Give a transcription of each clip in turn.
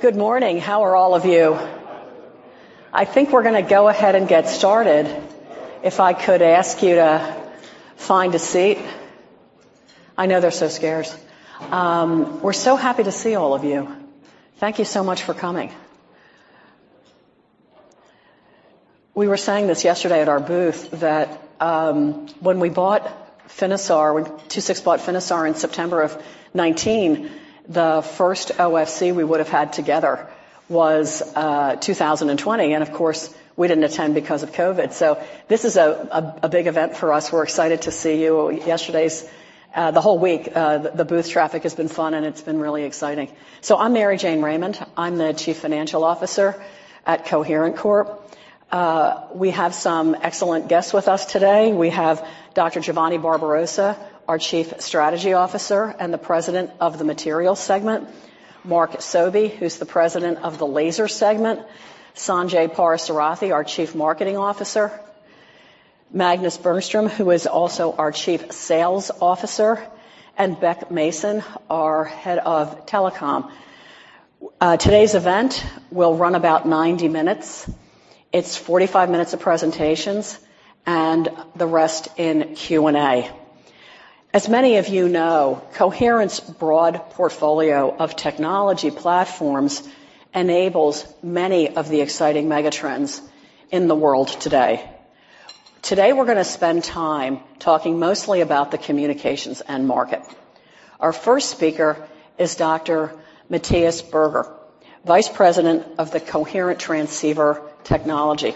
Good morning. How are all of you? I think we're gonna go ahead and get started. If I could ask you to find a seat. I know they're so scarce. We're so happy to see all of you. Thank you so much for coming. We were saying this yesterday at our booth that when we bought Finisar, when II-VI bought Finisar in September of 2019, the first OFC we would have had together was 2020, and of course, we didn't attend because of COVID. This is a big event for us. We're excited to see you. Yesterday's the whole week, the booth traffic has been fun, and it's been really exciting. I'm Mary Jane Raymond. I'm the Chief Financial Officer at Coherent Corp. We have some excellent guests with us today. We have Dr. Giovanni Barbarossa, our Chief Strategy Officer and the President of the Materials Segment, Mark Sobey, who's the President of the Lasers Segment, Sanjai Parthasarathi, our Chief Marketing Officer, Magnus Bengtsson, who is also our Chief Sales Officer, and Beck Mason, our Head of Telecom. Today's event will run about 90 minutes. It's 45 minutes of presentations and the rest in Q&A. As many of you know, Coherent's broad portfolio of technology platforms enables many of the exciting megatrends in the world today. Today we're gonna spend time talking mostly about the communications end market. Our first speaker is Dr. Matthias Berger, Vice President of the Coherent Transceiver Technology.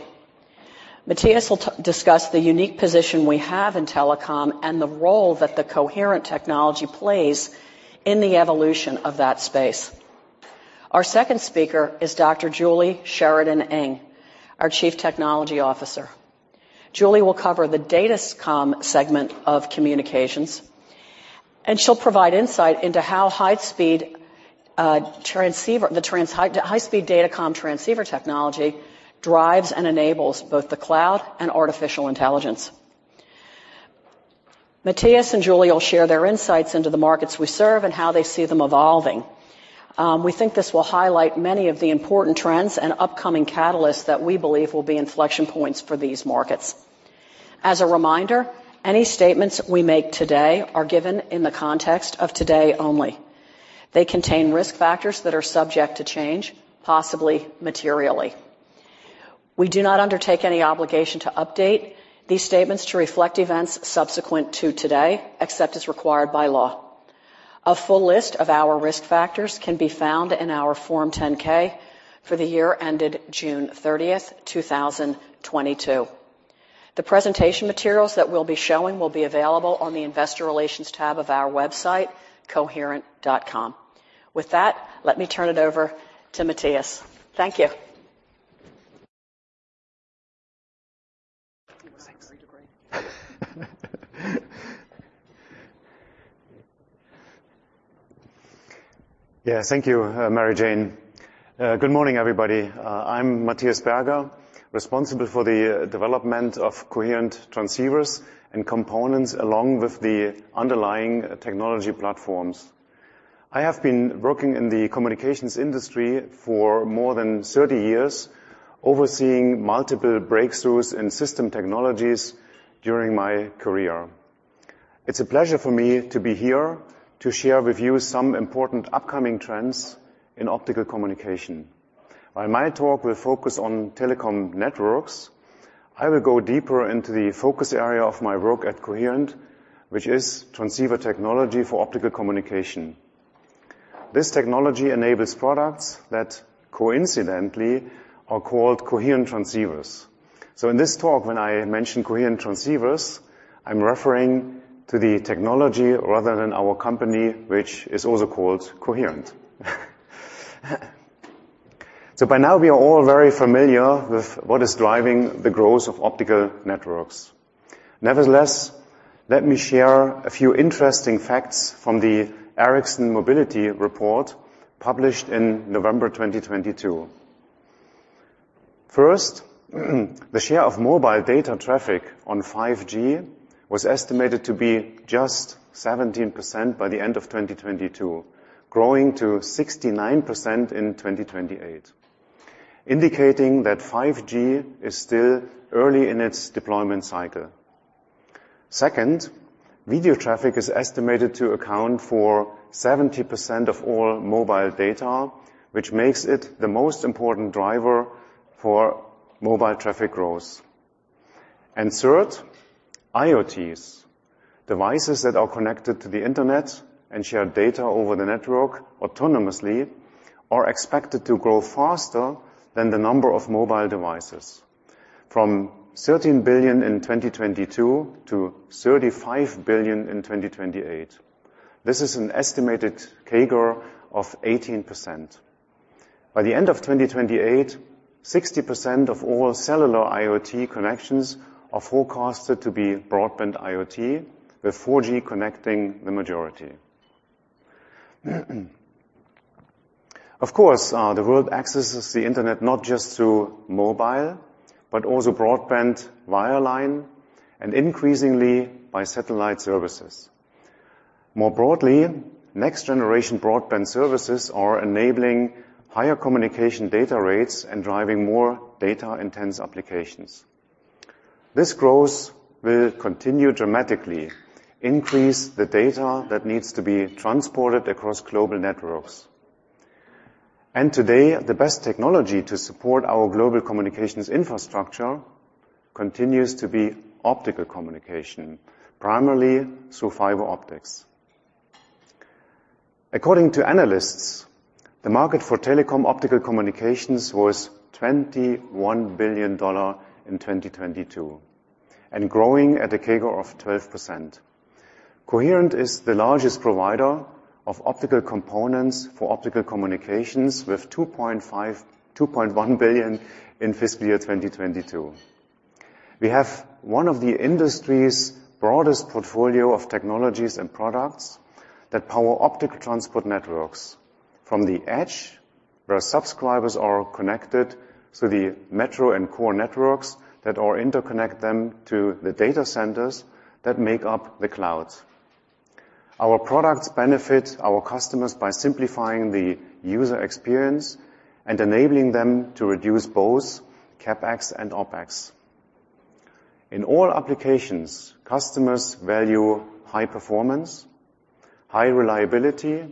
Matthias will discuss the unique position we have in telecom and the role that the Coherent technology plays in the evolution of that space. Our second speaker is Dr. Julie Sheridan Eng, our Chief Technology Officer. Julie will cover the datacom segment of communications, she'll provide insight into how high-speed transceiver technology drives and enables both the cloud and artificial intelligence. Matthias and Julie will share their insights into the markets we serve and how they see them evolving. We think this will highlight many of the important trends and upcoming catalysts that we believe will be inflection points for these markets. As a reminder, any statements we make today are given in the context of today only. They contain risk factors that are subject to change, possibly materially. We do not undertake any obligation to update these statements to reflect events subsequent to today, except as required by law. A full list of our risk factors can be found in our Form 10-K for the year ended June 30th, 2022. The presentation materials that we'll be showing will be available on the investor relations tab of our website, coherent.com. With that, let me turn it over to Matthias. Thank you. Thanks. Ready to break. Yeah, thank you, Mary Jane. Good morning, everybody. I'm Matthias Berger, responsible for the development of coherent transceivers and components along with the underlying technology platforms. I have been working in the communications industry for more than 30 years, overseeing multiple breakthroughs in system technologies during my career. It's a pleasure for me to be here to share with you some important upcoming trends in optical communication. While my talk will focus on telecom networks, I will go deeper into the focus area of my work at Coherent, which is transceiver technology for optical communication. This technology enables products that coincidentally are called coherent transceivers. In this talk, when I mention coherent transceivers, I'm referring to the technology rather than our company, which is also called Coherent. By now we are all very familiar with what is driving the growth of optical networks. Nevertheless, let me share a few interesting facts from the Ericsson Mobility Report published in November 2022. First, the share of mobile data traffic on 5G was estimated to be just 17% by the end of 2022, growing to 69% in 2028, indicating that 5G is still early in its deployment cycle. Second, video traffic is estimated to account for 70% of all mobile data, which makes it the most important driver for mobile traffic growth. Third, IoTs, devices that are connected to the Internet and share data over the network autonomously are expected to grow faster than the number of mobile devices from 13 billion in 2022 to 35 billion in 2028. This is an estimated CAGR of 18%. By the end of 2028, 60% of all cellular IoT connections are forecasted to be broadband IoT, with 4G connecting the majority. Of course, the world accesses the Internet not just through mobile, but also broadband wireline. Increasingly by satellite services. More broadly, next-generation broadband services are enabling higher communication data rates and driving more data-intense applications. This growth will continue dramatically, increase the data that needs to be transported across global networks. Today, the best technology to support our global communications infrastructure continues to be optical communication, primarily through fiber optics. According to analysts, the market for telecom optical communications was $21 billion in 2022, and growing at a CAGR of 12%. Coherent is the largest provider of optical components for optical communications, with $2.1 billion in fiscal year 2022. We have one of the industry's broadest portfolio of technologies and products that power optical transport networks from the edge, where subscribers are connected to the metro and core networks that interconnect them to the data centers that make up the clouds. Our products benefit our customers by simplifying the user experience and enabling them to reduce both CapEx and OpEx. In all applications, customers value high performance, high reliability,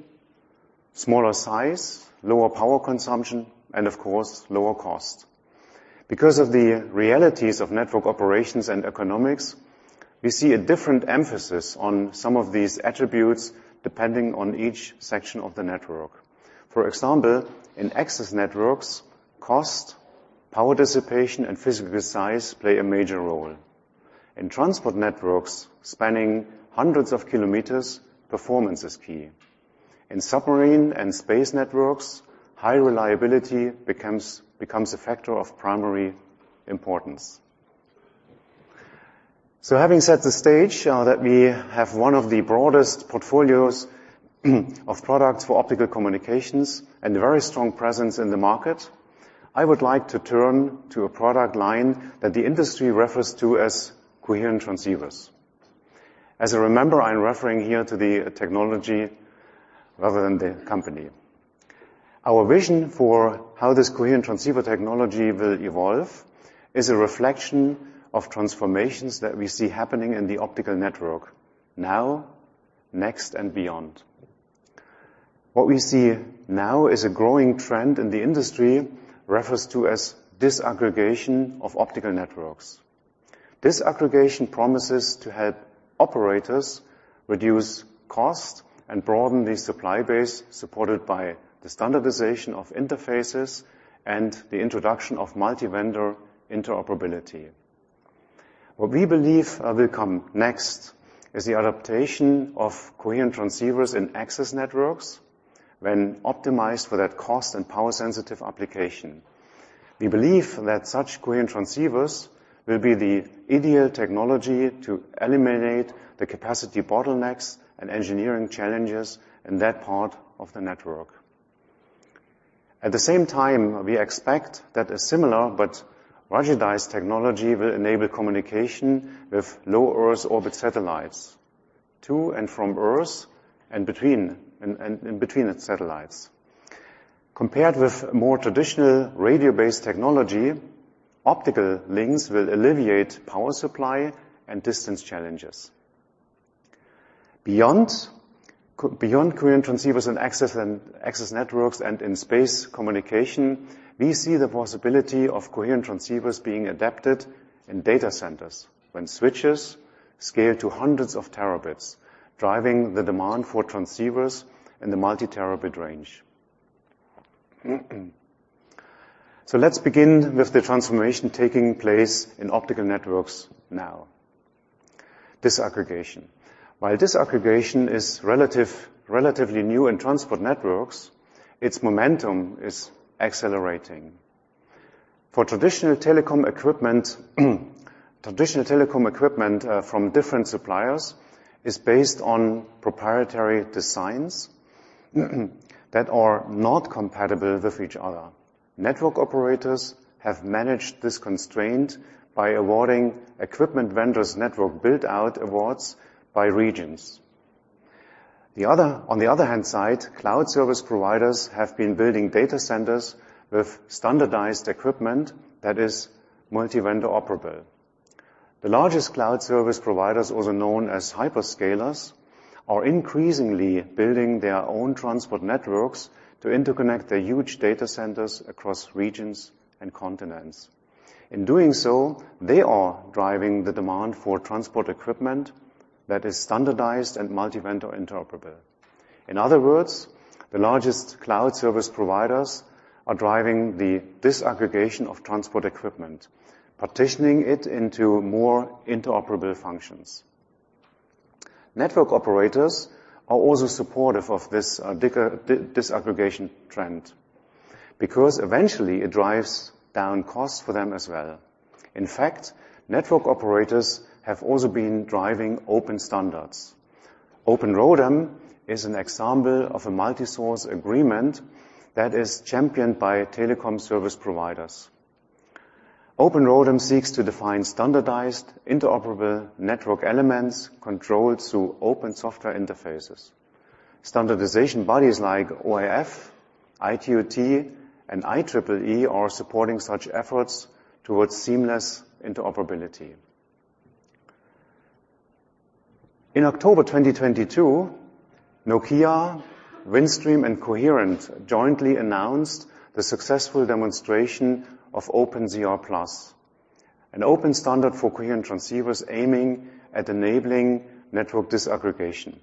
smaller size, lower power consumption, and of course, lower cost. Of the realities of network operations and economics, we see a different emphasis on some of these attributes depending on each section of the network. For example, in access networks, cost, power dissipation, and physical size play a major role. In transport networks spanning hundreds of kilometers, performance is key. In submarine and space networks, high reliability becomes a factor of primary importance. Having set the stage that we have one of the broadest portfolios of products for optical communications and a very strong presence in the market, I would like to turn to a product line that the industry refers to as coherent transceivers. As I remember, I'm referring here to the technology rather than the company. Our vision for how this coherent transceiver technology will evolve is a reflection of transformations that we see happening in the optical network now, next, and beyond. What we see now is a growing trend in the industry refers to as disaggregation of optical networks. Disaggregation promises to help operators reduce cost and broaden the supply base, supported by the standardization of interfaces and the introduction of multi-vendor interoperability. What we believe will come next is the adaptation of coherent transceivers in access networks when optimized for that cost and power-sensitive application. We believe that such coherent transceivers will be the ideal technology to eliminate the capacity bottlenecks and engineering challenges in that part of the network. At the same time, we expect that a similar but ruggedized technology will enable communication with low Earth orbit satellites to and from Earth and between its satellites. Compared with more traditional radio-based technology, optical links will alleviate power supply and distance challenges. Beyond coherent transceivers and access networks and in space communication, we see the possibility of coherent transceivers being adapted in data centers when switches scale to hundreds of terabits, driving the demand for transceivers in the multi-terabit range. Let's begin with the transformation taking place in optical networks now. Disaggregation. While disaggregation is relatively new in transport networks, its momentum is accelerating. For traditional telecom equipment, from different suppliers is based on proprietary designs that are not compatible with each other. Network operators have managed this constraint by awarding equipment vendors network build-out awards by regions. On the other hand side, cloud service providers have been building data centers with standardized equipment that is multi-vendor operable. The largest cloud service providers, also known as hyperscalers, are increasingly building their own transport networks to interconnect their huge data centers across regions and continents. In doing so, they are driving the demand for transport equipment that is standardized and multi-vendor interoperable. In other words, the largest cloud service providers are driving the disaggregation of transport equipment, partitioning it into more interoperable functions. Network operators are also supportive of this disaggregation trend because eventually it drives down costs for them as well. In fact, network operators have also been driving open standards. Open ROADM is an example of a multi-source agreement that is championed by telecom service providers. Open ROADM seeks to define standardized interoperable network elements controlled through open software interfaces. Standardization bodies like OIF, ITU-T, and IEEE are supporting such efforts towards seamless interoperability. In October 2022, Nokia, Windstream, and Coherent jointly announced the successful demonstration of OpenZR+, an open standard for coherent transceivers aiming at enabling network disaggregation.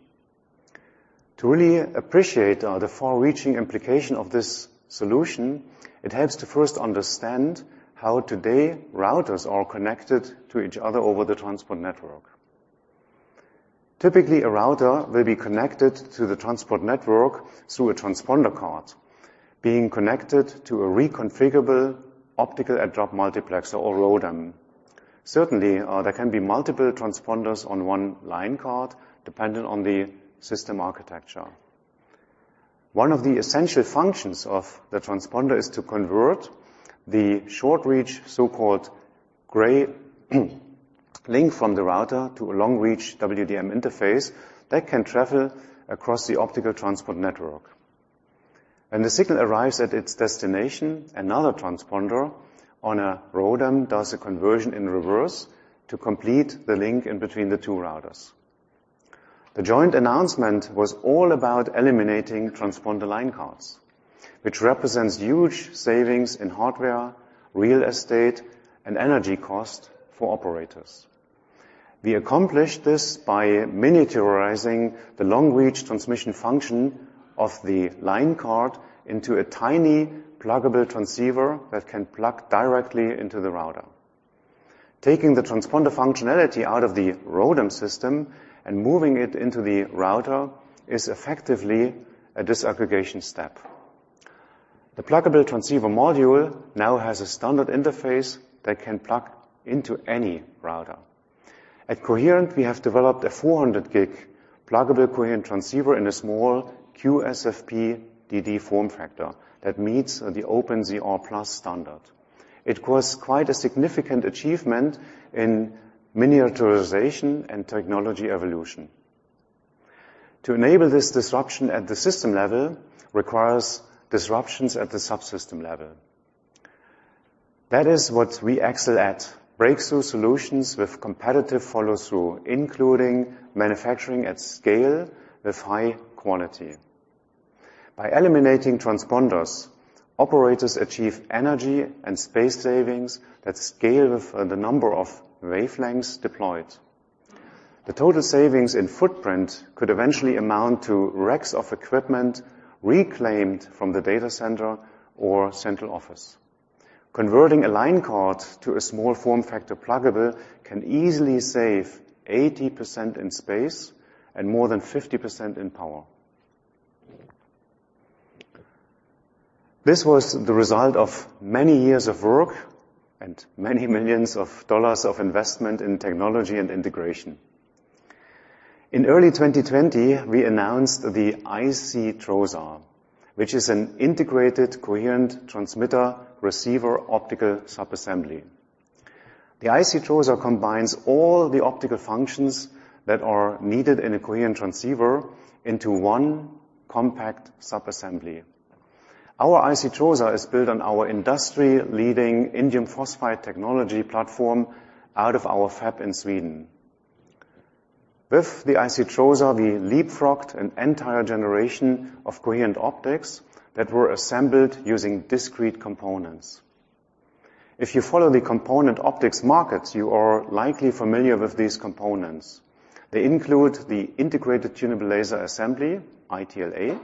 To really appreciate the far-reaching implication of this solution, it helps to first understand how today routers are connected to each other over the transport network. Typically, a router will be connected to the transport network through a transponder card being connected to a reconfigurable optical add-drop multiplexer or ROADM. Certainly, there can be multiple transponders on one line card dependent on the system architecture. One of the essential functions of the transponder is to convert the short reach, so-called gray link from the router to a long reach WDM interface that can travel across the optical transport network. When the signal arrives at its destination, another transponder on a ROADM does a conversion in reverse to complete the link in between the two routers. The joint announcement was all about eliminating transponder line cards, which represents huge savings in hardware, real estate, and energy cost for operators. We accomplished this by miniaturizing the long-reach transmission function of the line card into a tiny pluggable transceiver that can plug directly into the router. Taking the transponder functionality out of the ROADM system and moving it into the router is effectively a disaggregation step. The pluggable transceiver module now has a standard interface that can plug into any router. At Coherent, we have developed a 400G pluggable coherent transceiver in a small QSFP-DD form factor that meets the OpenZR+ standard. It was quite a significant achievement in miniaturization and technology evolution. To enable this disruption at the system level requires disruptions at the subsystem level. That is what we excel at, breakthrough solutions with competitive follow-through, including manufacturing at scale with high quality. By eliminating transponders, operators achieve energy and space savings that scale with the number of wavelengths deployed. The total savings in footprint could eventually amount to racks of equipment reclaimed from the data center or central office. Converting a line card to a small-form-factor pluggable can easily save 80% in space and more than 50% in power. This was the result of many years of work and many millions of dollars of investment in technology and integration. In early 2020, we announced the IC-TROSA, which is an integrated coherent transmitter-receiver optical subassembly. The IC-TROSA combines all the optical functions that are needed in a coherent transceiver into one compact subassembly. Our IC-TROSA is built on our industry-leading indium phosphide technology platform out of our fab in Sweden. With the IC-TROSA, we leapfrogged an entire generation of coherent optics that were assembled using discrete components. If you follow the component optics markets, you are likely familiar with these components. They include the integrated tunable laser assembly, ITLA,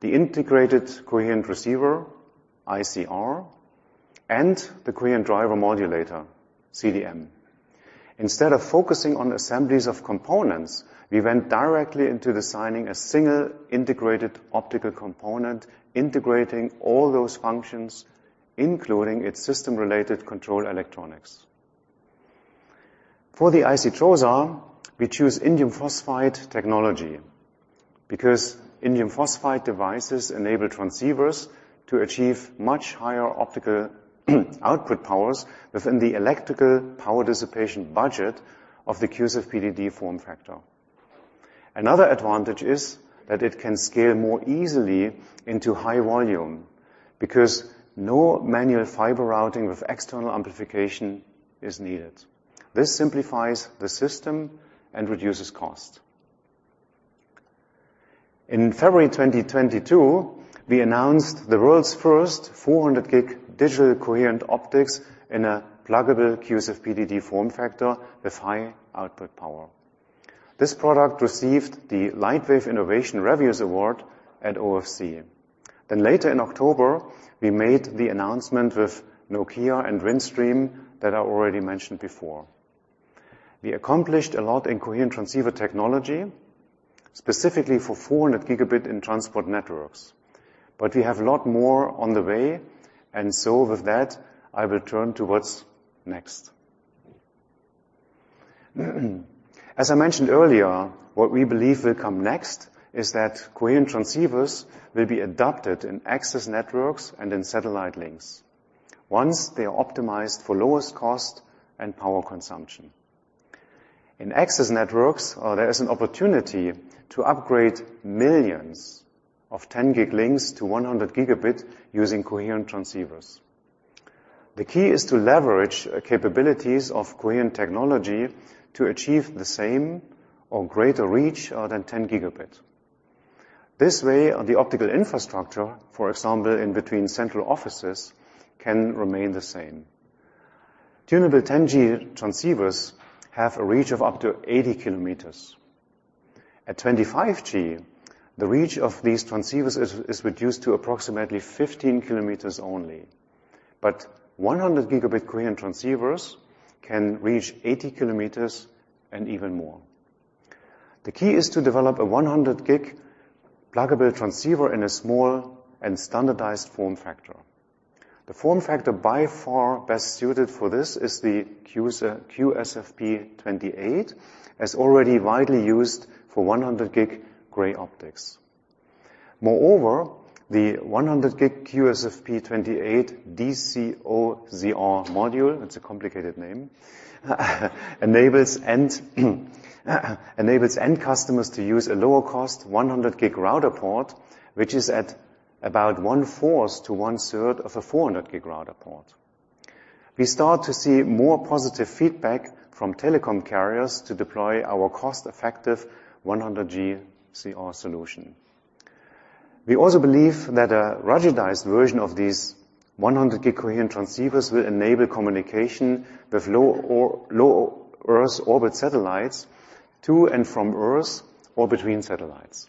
the integrated coherent receiver, ICR, and the coherent driver modulator, CDM. Instead of focusing on assemblies of components, we went directly into designing a single integrated optical component, integrating all those functions, including its system-related control electronics. For the IC-TROSA, we choose indium phosphide technology because indium phosphide devices enable transceivers to achieve much higher optical output powers within the electrical power dissipation budget of the QSFP-DD form factor. Another advantage is that it can scale more easily into high volume because no manual fiber routing with external amplification is needed. This simplifies the system and reduces cost. In February 2022, we announced the world's first 400 gig digital coherent optics in a pluggable QSFP-DD form factor with high output power. This product received the Lightwave Innovation Reviews Award at OFC. Later in October, we made the announcement with Nokia and Windstream that I already mentioned before. We accomplished a lot in coherent transceiver technology, specifically for 400 Gb in transport networks. We have a lot more on the way. With that, I will turn to what's next. As I mentioned earlier, what we believe will come next is that coherent transceivers will be adopted in access networks and in satellite links once they are optimized for lowest cost and power consumption. In access networks, there is an opportunity to upgrade millions of 10 gig links to 100 Gb using coherent transceivers. The key is to leverage capabilities of coherent technology to achieve the same or greater reach than 10 Gb. This way, the optical infrastructure, for example, in between central offices, can remain the same. Tunable 10G transceivers have a reach of up to 80 km. At 25G, the reach of these transceivers is reduced to approximately 15 km only. 100 Gb coherent transceivers can reach 80 km and even more. The key is to develop a 100 gig pluggable transceiver in a small and standardized form factor. The form factor by far best suited for this is the QSFP28, as already widely used for 100 gig gray optics. Moreover, the 100 gig QSFP28-DCOZR module, it's a complicated name, enables end customers to use a lower cost 100 gig router port, which is at about one-fourth to one-third of a 400 gig router port. We start to see more positive feedback from telecom carriers to deploy our cost-effective 100G ZR solution. We also believe that a ruggedized version of these 100 gig coherent transceivers will enable communication with low Earth orbit satellites to and from Earth or between satellites.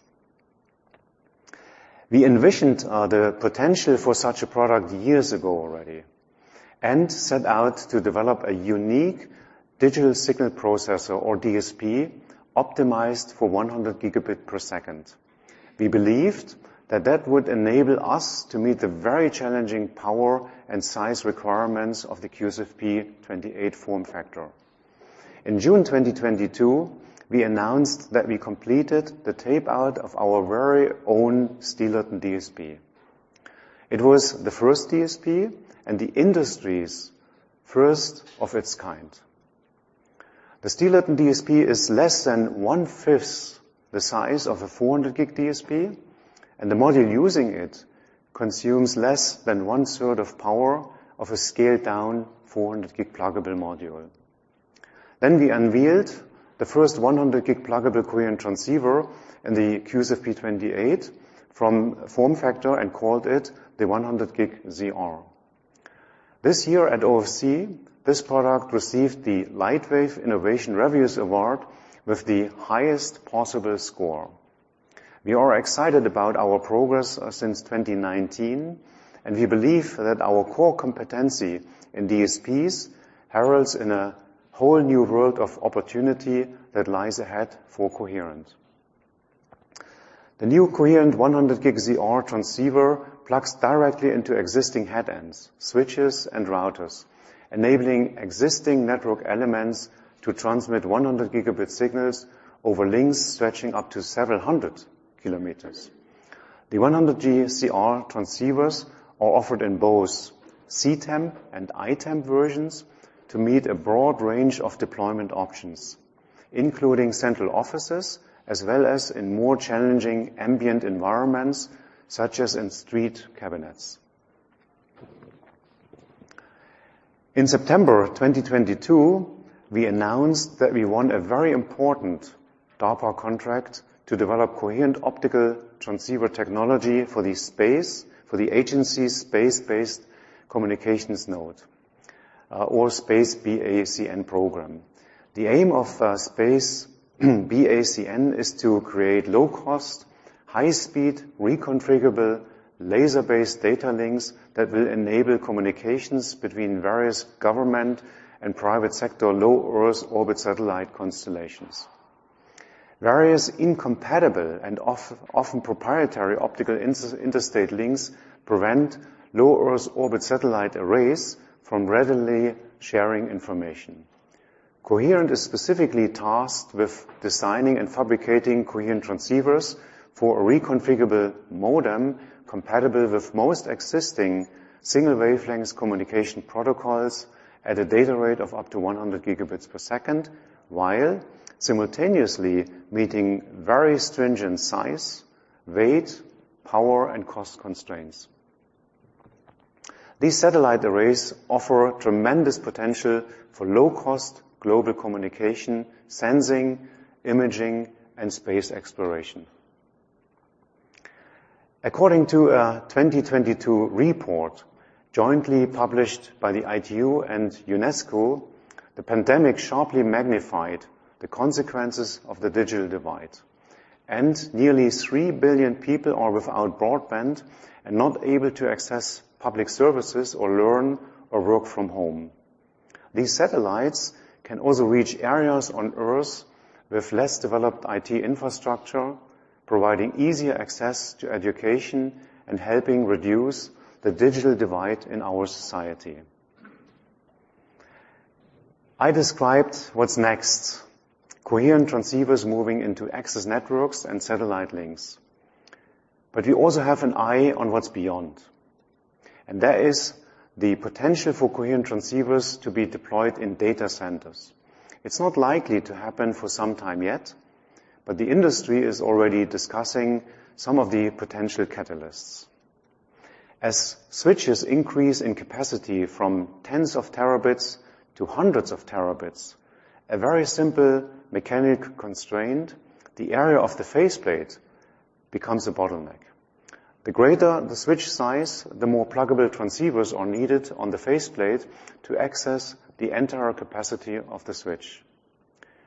We envisioned the potential for such a product years ago already and set out to develop a unique digital signal processor or DSP optimized for 100 Gb per second. We believed that that would enable us to meet the very challenging power and size requirements of the QSFP28 form factor. In June 2022, we announced that we completed the tape-out of our very own Steelert DSP. It was the first DSP and the industry's first of its kind. The Steelerton DSP is less than one-fifth the size of a 400 gig DSP, and the module using it consumes less than one-third of power of a scaled-down 400 gig pluggable module. We unveiled the first 100 gig pluggable coherent transceiver in the QSFP28 form factor and called it the 100G ZR. This year at OFC, this product received the Lightwave Innovation Reviews award with the highest possible score. We are excited about our progress since 2019, and we believe that our core competency in DSPs heralds in a whole new world of opportunity that lies ahead for coherent. The new coherent 100G ZR transceiver plugs directly into existing headends, switches, and routers, enabling existing network elements to transmit 100 Gb signals over links stretching up to 700 km. The 100G ZR transceivers are offered in both C-Temp and I-Temp versions to meet a broad range of deployment options, including central offices as well as in more challenging ambient environments, such as in street cabinets. In September 2022, we announced that we won a very important DARPA contract to develop coherent optical transceiver technology for the agency's Space-Based Communications Node, or Space-BACN program. The aim of Space-BACN is to create low-cost, high-speed, reconfigurable laser-based data links that will enable communications between various government and private sector low Earth orbit satellite constellations. Various incompatible and often proprietary optical interstate links prevent low Earth orbit satellite arrays from readily sharing information. Coherent is specifically tasked with designing and fabricating coherent transceivers for a reconfigurable modem compatible with most existing single wavelength communication protocols at a data rate of up to 100 Gb per second, while simultaneously meeting very stringent size, weight, power, and cost constraints. These satellite arrays offer tremendous potential for low-cost global communication, sensing, imaging, and space exploration. According to a 2022 report jointly published by the ITU and UNESCO, the pandemic sharply magnified the consequences of the digital divide, and nearly 3 billion people are without broadband and not able to access public services or learn or work from home. These satellites can also reach areas on Earth with less developed IT infrastructure, providing easier access to education and helping reduce the digital divide in our society. I described what's next. Coherent transceivers moving into access networks and satellite links. We also have an eye on what's beyond, and that is the potential for Coherent transceivers to be deployed in data centers. It's not likely to happen for some time yet, but the industry is already discussing some of the potential catalysts. As switches increase in capacity from tens of terabits to hundreds of terabits, a very simple mechanical constraint, the area of the faceplate, becomes a bottleneck. The greater the switch size, the more pluggable transceivers are needed on the faceplate to access the entire capacity of the switch.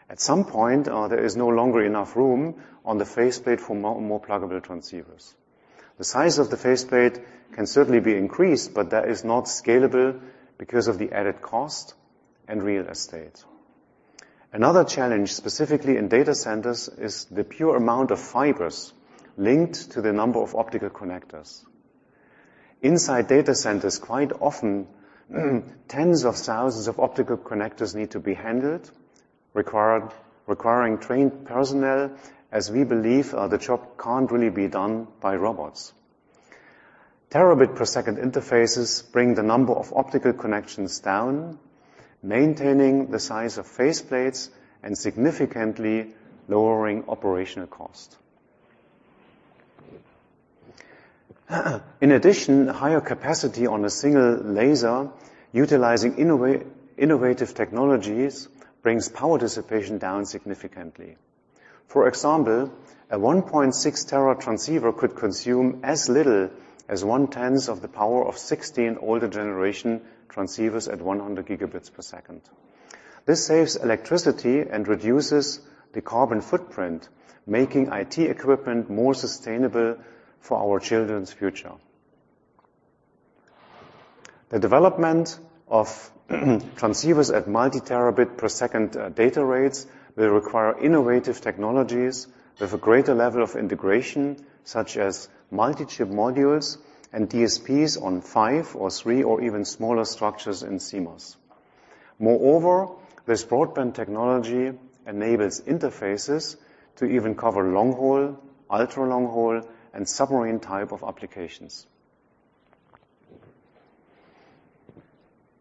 At some point, there is no longer enough room on the faceplate for more and more pluggable transceivers. The size of the faceplate can certainly be increased, but that is not scalable because of the added cost and real estate. Another challenge, specifically in data centers, is the pure amount of fibers linked to the number of optical connectors. Inside data centers, quite often, tens of thousands of optical connectors need to be handled, requiring trained personnel, as we believe, the job can't really be done by robots. Terabit per second interfaces bring the number of optical connections down, maintaining the size of faceplates and significantly lowering operational cost. Higher capacity on a single laser utilizing innovative technologies brings power dissipation down significantly. A 1.6 tera transceiver could consume as little as one-tenth of the power of 16 older generation transceivers at 100 Gb per second. This saves electricity and reduces the carbon footprint, making IT equipment more sustainable for our children's future. The development of transceivers at multi-terabit per second data rates will require innovative technologies with a greater level of integration, such as multi-chip modules and DSPs on 5 or 3 or even smaller structures in CMOS. This broadband technology enables interfaces to even cover long-haul, ultra-long-haul, and submarine type of applications.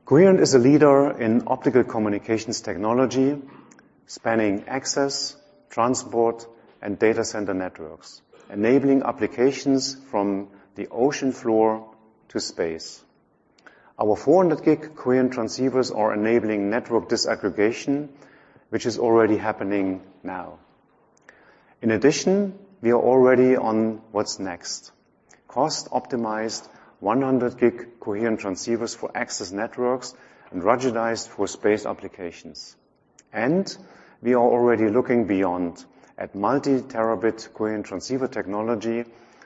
Coherent is a leader in optical communications technology, spanning access, transport, and data center networks, enabling applications from the ocean floor to space. Our 400G coherent transceivers are enabling network disaggregation, which is already happening now. In addition, we are already on what's next. Cost-optimized 100G coherent transceivers for access networks and ruggedized for space applications. We are already looking beyond at multi-terabit coherent transceiver technology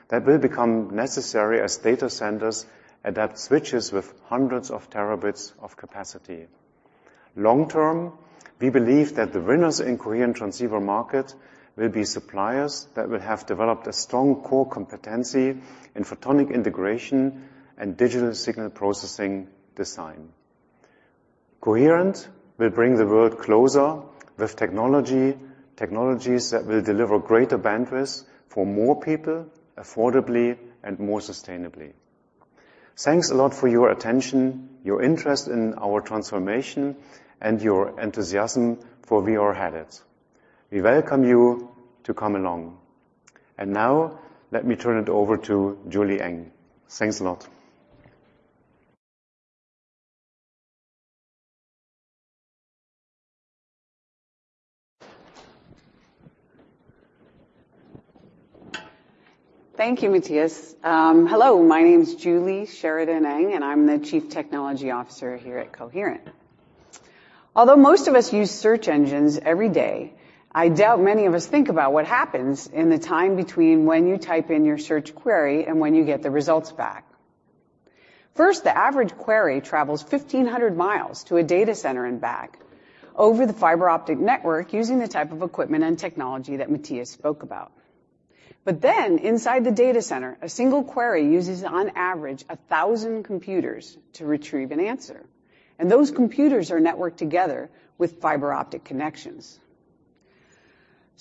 that will become necessary as data centers adapt switches with hundreds of terabits of capacity. Long term, we believe that the winners in coherent transceiver market will be suppliers that will have developed a strong core competency in photonic integration and digital signal processing design. Coherent will bring the world closer with technologies that will deliver greater bandwidth for more people affordably and more sustainably. Thanks a lot for your attention, your interest in our transformation, and your enthusiasm for VR headsets. We welcome you to come along. Now, let me turn it over to Julie Eng. Thanks a lot. Thank you, Matthias. Hello, my name's Julie Sheridan Eng, and I'm the Chief Technology Officer here at Coherent. Although most of us use search engines every day, I doubt many of us think about what happens in the time between when you type in your search query and when you get the results back. First, the average query travels 1,500 miles to a data center and back over the fiber optic network using the type of equipment and technology that Matthias spoke about. Inside the data center, a single query uses on average 1,000 computers to retrieve an answer. Those computers are networked together with fiber optic connections.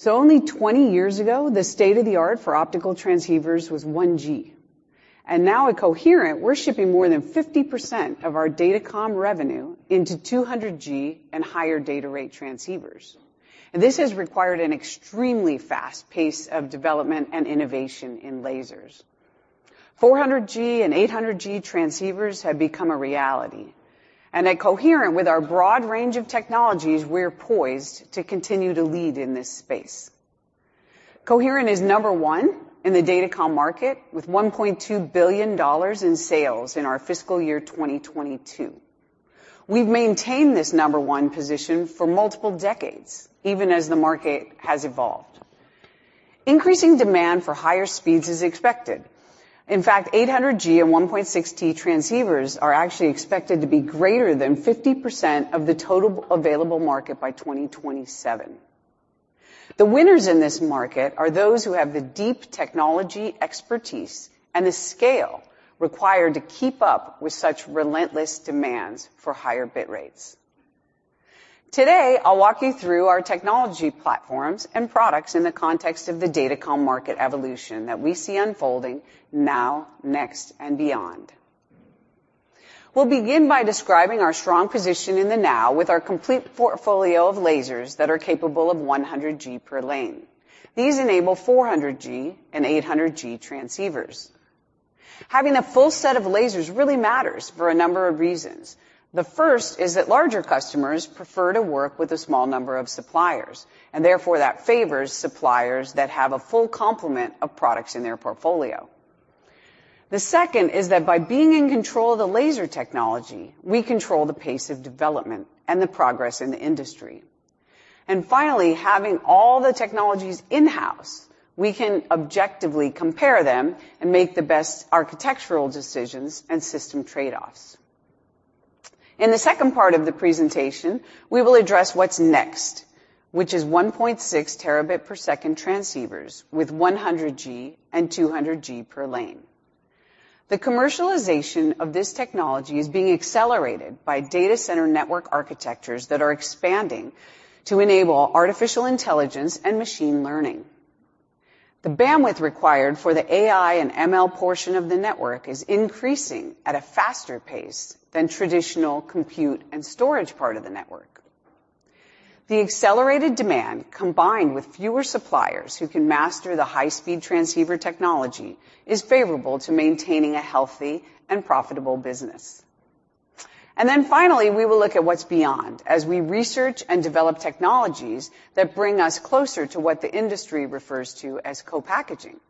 Only 20 years ago, the state-of-the-art for optical transceivers was 1G. Now at Coherent, we're shipping more than 50% of our datacom revenue into 200G and higher data rate transceivers. This has required an extremely fast pace of development and innovation in lasers. 400G and 800G transceivers have become a reality. At Coherent, with our broad range of technologies, we're poised to continue to lead in this space. Coherent is number one in the datacom market with $1.2 billion in sales in our fiscal year 2022. We've maintained this number one position for multiple decades, even as the market has evolved. Increasing demand for higher speeds is expected. In fact, 800G and 1.6T transceivers are actually expected to be greater than 50% of the total available market by 2027. The winners in this market are those who have the deep technology expertise and the scale required to keep up with such relentless demands for higher bit rates. Today, I'll walk you through our technology platforms and products in the context of the datacom market evolution that we see unfolding now, next, and beyond. We'll begin by describing our strong position in the now with our complete portfolio of lasers that are capable of 100G per lane. These enable 400G and 800G transceivers. Having a full set of lasers really matters for a number of reasons. The first is that larger customers prefer to work with a small number of suppliers, and therefore, that favors suppliers that have a full complement of products in their portfolio. The second is that by being in control of the laser technology, we control the pace of development and the progress in the industry. Finally, having all the technologies in-house, we can objectively compare them and make the best architectural decisions and system trade-offs. In the second part of the presentation, we will address what's next, which is 1.6 Tbps transceivers with 100G and 200G per lane. The commercialization of this technology is being accelerated by data center network architectures that are expanding to enable artificial intelligence and machine learning. The bandwidth required for the AI and ML portion of the network is increasing at a faster pace than traditional compute and storage part of the network. The accelerated demand, combined with fewer suppliers who can master the high-speed transceiver technology, is favorable to maintaining a healthy and profitable business. Finally, we will look at what's beyond as we research and develop technologies that bring us closer to what the industry refers to as co-packaging.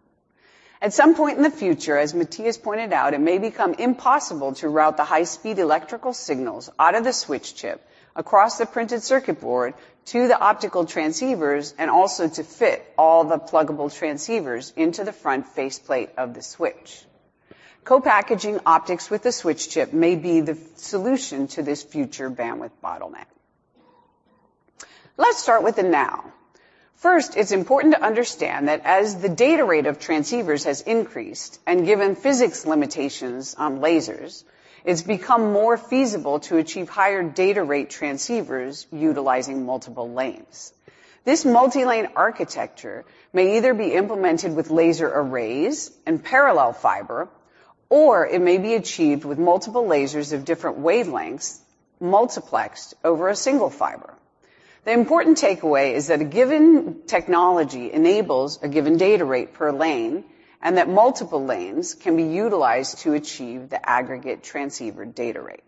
At some point in the future, as Matthias pointed out, it may become impossible to route the high-speed electrical signals out of the switch chip across the printed circuit board to the optical transceivers and also to fit all the pluggable transceivers into the front faceplate of the switch. Co-packaging optics with the switch chip may be the solution to this future bandwidth bottleneck. Let's start with the now. First, it's important to understand that as the data rate of transceivers has increased, and given physics limitations on lasers, it's become more feasible to achieve higher data rate transceivers utilizing multiple lanes. This multi-lane architecture may either be implemented with laser arrays and parallel fiber, or it may be achieved with multiple lasers of different wavelengths multiplexed over a single fiber. The important takeaway is that a given technology enables a given data rate per lane and that multiple lanes can be utilized to achieve the aggregate transceiver data rate.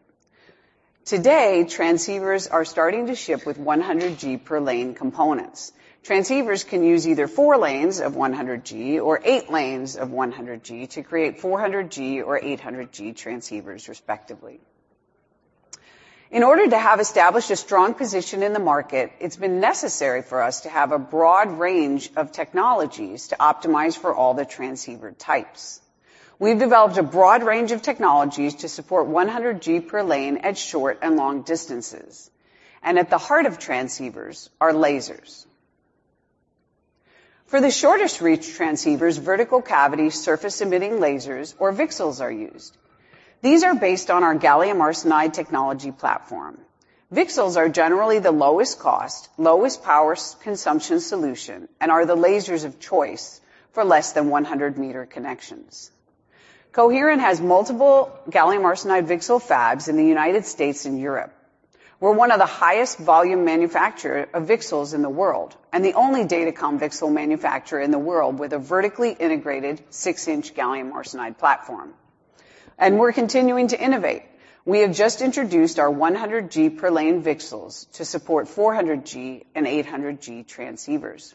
Today, transceivers are starting to ship with 100G per lane components. Transceivers can use either four lanes of 100G or eight lanes of 100G to create 400G or 800G transceivers respectively. In order to have established a strong position in the market, it's been necessary for us to have a broad range of technologies to optimize for all the transceiver types. We've developed a broad range of technologies to support 100G per lane at short and long distances. At the heart of transceivers are lasers. For the shortest reach transceivers, vertical cavity surface emitting lasers or VCSELs are used. These are based on our gallium arsenide technology platform. VCSELs are generally the lowest cost, lowest power consumption solution, and are the lasers of choice for less than 100 meter connections. Coherent has multiple gallium arsenide VCSEL fabs in the United States and Europe. We're one of the highest-volume manufacturer of VCSELs in the world, and the only datacom VCSEL manufacturer in the world with a vertically integrated 6-in gallium arsenide platform. We're continuing to innovate. We have just introduced our 100G per lane VCSELs to support 400G and 800G transceivers.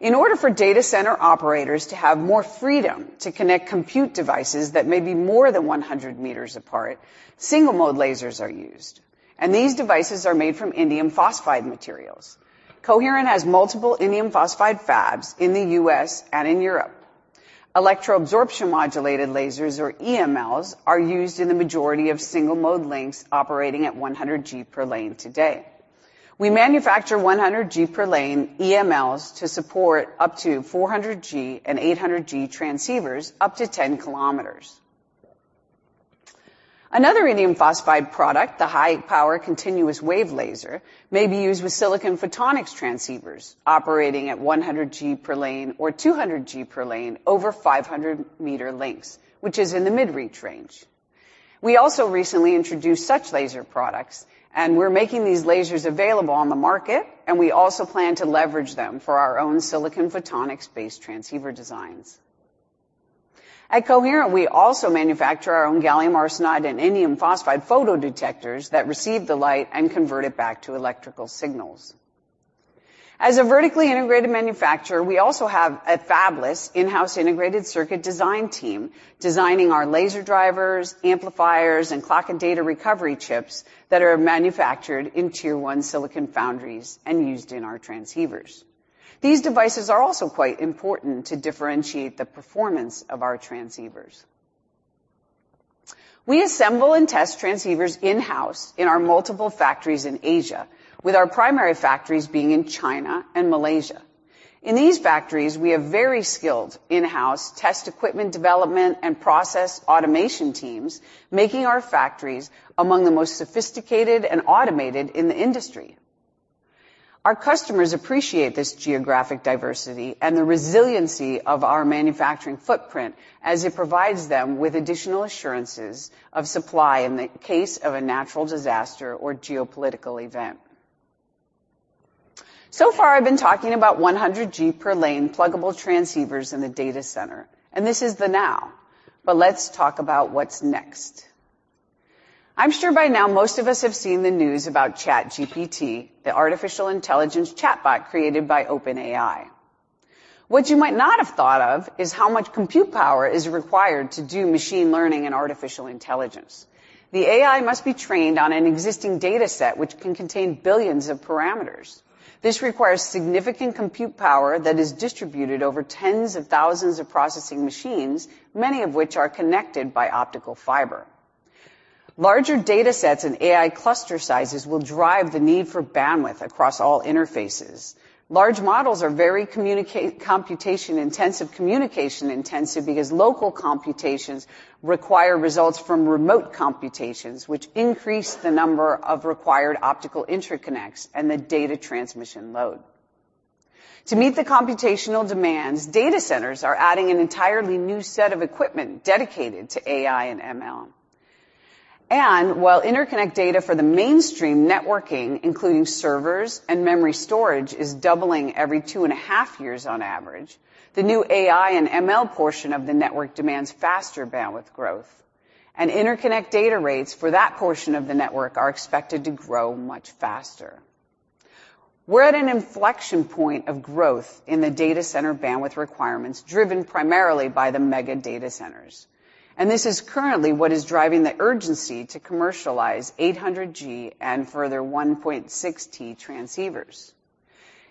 In order for data center operators to have more freedom to connect compute devices that may be more than 100 meters apart, single-mode lasers are used, and these devices are made from indium phosphide materials. Coherent has multiple indium phosphide fabs in the U.S. and in Europe. Electroabsorption modulated lasers, or EMLs, are used in the majority of single mode links operating at 100G per lane today. We manufacture 100G per lane EMLs to support up to 400G and 800G transceivers up to 10 km. Another indium phosphide product, the high-power continuous wave laser, may be used with silicon photonics transceivers operating at 100G per lane or 200G per lane over 500 meter lengths, which is in the mid-reach range. We also recently introduced such laser products, and we're making these lasers available on the market, and we also plan to leverage them for our own silicon photonics-based transceiver designs. At Coherent, we also manufacture our own gallium arsenide and indium phosphide photodetectors that receive the light and convert it back to electrical signals. As a vertically integrated manufacturer, we also have a fabless in-house integrated circuit design team designing our laser drivers, amplifiers, and clock and data recovery chips that are manufactured in tier one silicon foundries and used in our transceivers. These devices are also quite important to differentiate the performance of our transceivers. We assemble and test transceivers in-house in our multiple factories in Asia, with our primary factories being in China and Malaysia. In these factories, we have very skilled in-house test equipment development and process automation teams, making our factories among the most sophisticated and automated in the industry. Our customers appreciate this geographic diversity and the resiliency of our manufacturing footprint as it provides them with additional assurances of supply in the case of a natural disaster or geopolitical event. So far, I've been talking about 100G per lane pluggable transceivers in the data center, and this is the now, but let's talk about what's next. I'm sure by now most of us have seen the news about ChatGPT, the artificial intelligence chatbot created by OpenAI. What you might not have thought of is how much compute power is required to do machine learning and artificial intelligence. The AI must be trained on an existing dataset which can contain billions of parameters. This requires significant compute power that is distributed over tens of thousands of processing machines, many of which are connected by optical fiber. Larger datasets and AI cluster sizes will drive the need for bandwidth across all interfaces. Large models are very computation-intensive, communication-intensive because local computations require results from remote computations, which increase the number of required optical interconnects and the data transmission load. To meet the computational demands, data centers are adding an entirely new set of equipment dedicated to AI and ML. While interconnect data for the mainstream networking, including servers and memory storage, is doubling every two and a half years on average, the new AI and ML portion of the network demands faster bandwidth growth, and interconnect data rates for that portion of the network are expected to grow much faster. We're at an inflection point of growth in the data center bandwidth requirements driven primarily by the mega data centers, and this is currently what is driving the urgency to commercialize 800G and further 1.6T transceivers.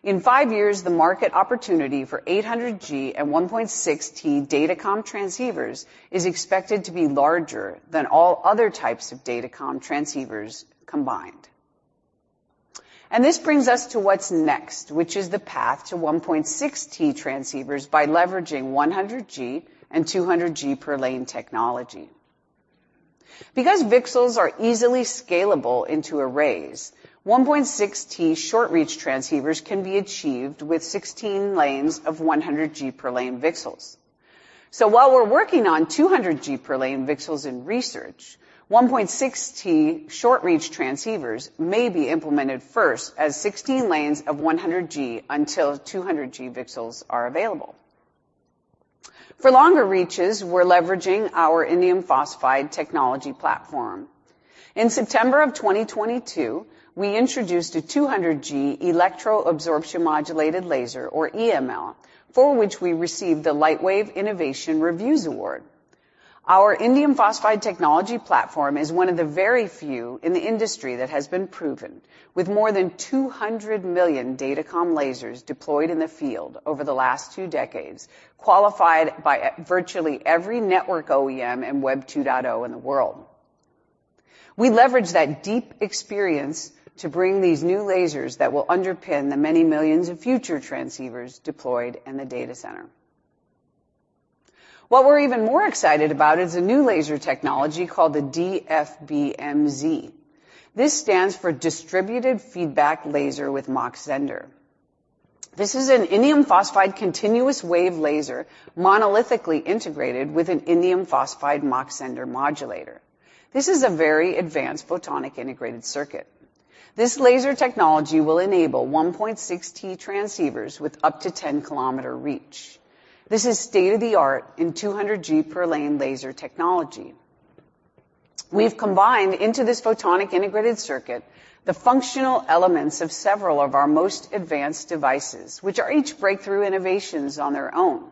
In five years, the market opportunity for 800G and 1.6T datacom transceivers is expected to be larger than all other types of datacom transceivers combined. This brings us to what's next, which is the path to 1.6T transceivers by leveraging 100G and 200G per lane technology. Because VCSELs are easily scalable into arrays, 1.6T short reach transceivers can be achieved with 16 lanes of 100G per lane VCSELs. While we're working on 200G per lane VCSELs in research, 1.6T short-reach transceivers may be implemented first as 16 lanes of 100G until 200G VCSELs are available. For longer reaches, we're leveraging our indium phosphide technology platform. In September of 2022, we introduced a 200G electro absorption modulated laser, or EML, for which we received the Lightwave Innovation Reviews award. Our indium phosphide technology platform is one of the very few in the industry that has been proven, with more than 200 million datacom lasers deployed in the field over the last two decades, qualified by virtually every network OEM and Web2.0 in the world. We leverage that deep experience to bring these new lasers that will underpin the many millions of future transceivers deployed in the data center. What we're even more excited about is a new laser technology called the DFB-MZ. This stands for Distributed Feedback Laser with Mach-Zehnder. This is an indium phosphide continuous wave laser monolithically integrated with an indium phosphide Mach-Zehnder modulator. This is a very advanced photonic integrated circuit. This laser technology will enable 1.6T transceivers with up to 10-km reach. This is state-of-the-art in 200G per lane laser technology. We've combined into this photonic integrated circuit the functional elements of several of our most advanced devices, which are each breakthrough innovations on their own.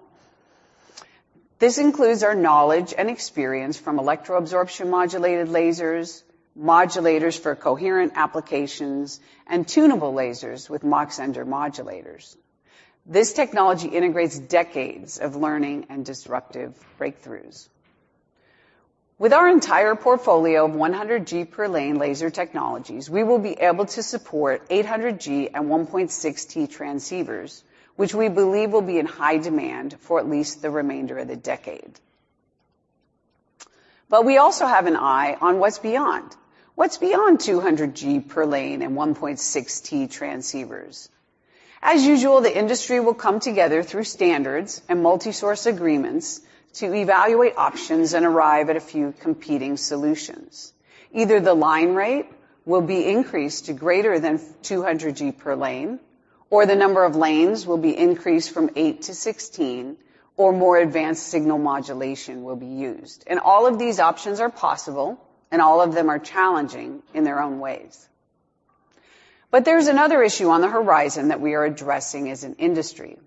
This includes our knowledge and experience from electro absorption modulated lasers, modulators for coherent applications, and tunable lasers with Mach-Zehnder modulators. This technology integrates decades of learning and disruptive breakthroughs. With our entire portfolio of 100G per lane laser technologies, we will be able to support 800G and 1.6T transceivers, which we believe will be in high demand for at least the remainder of the decade. We also have an eye on what's beyond. What's beyond 200G per lane and 1.6T transceivers? As usual, the industry will come together through standards and multi-source agreements to evaluate options and arrive at a few competing solutions. Either the line rate will be increased to greater than 200G per lane, or the number of lanes will be increased from eight to 16 or more advanced signal modulation will be used. All of these options are possible, and all of them are challenging in their own ways. There's another issue on the horizon that we are addressing as an industry.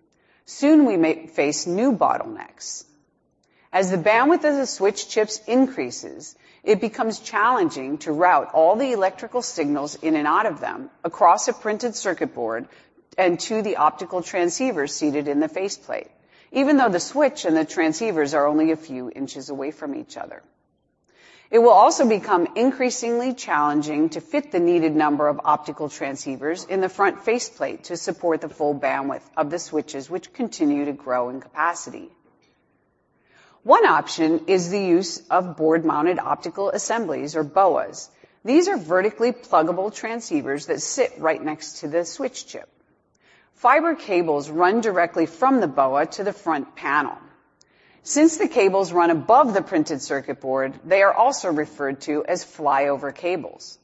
Soon we may face new bottlenecks. As the bandwidth of the switch chips increases, it becomes challenging to route all the electrical signals in and out of them across a printed circuit board and to the optical transceivers seated in the faceplate, even though the switch and the transceivers are only a few inches away from each other. It will also become increasingly challenging to fit the needed number of optical transceivers in the front faceplate to support the full bandwidth of the switches, which continue to grow in capacity. One option is the use of board mounted optical assemblies, or BOAs. These are vertically pluggable transceivers that sit right next to the switch chip. Fiber cables run directly from the BOA to the front panel. Since the cables run above the printed circuit board, they are also referred to as flyover cables.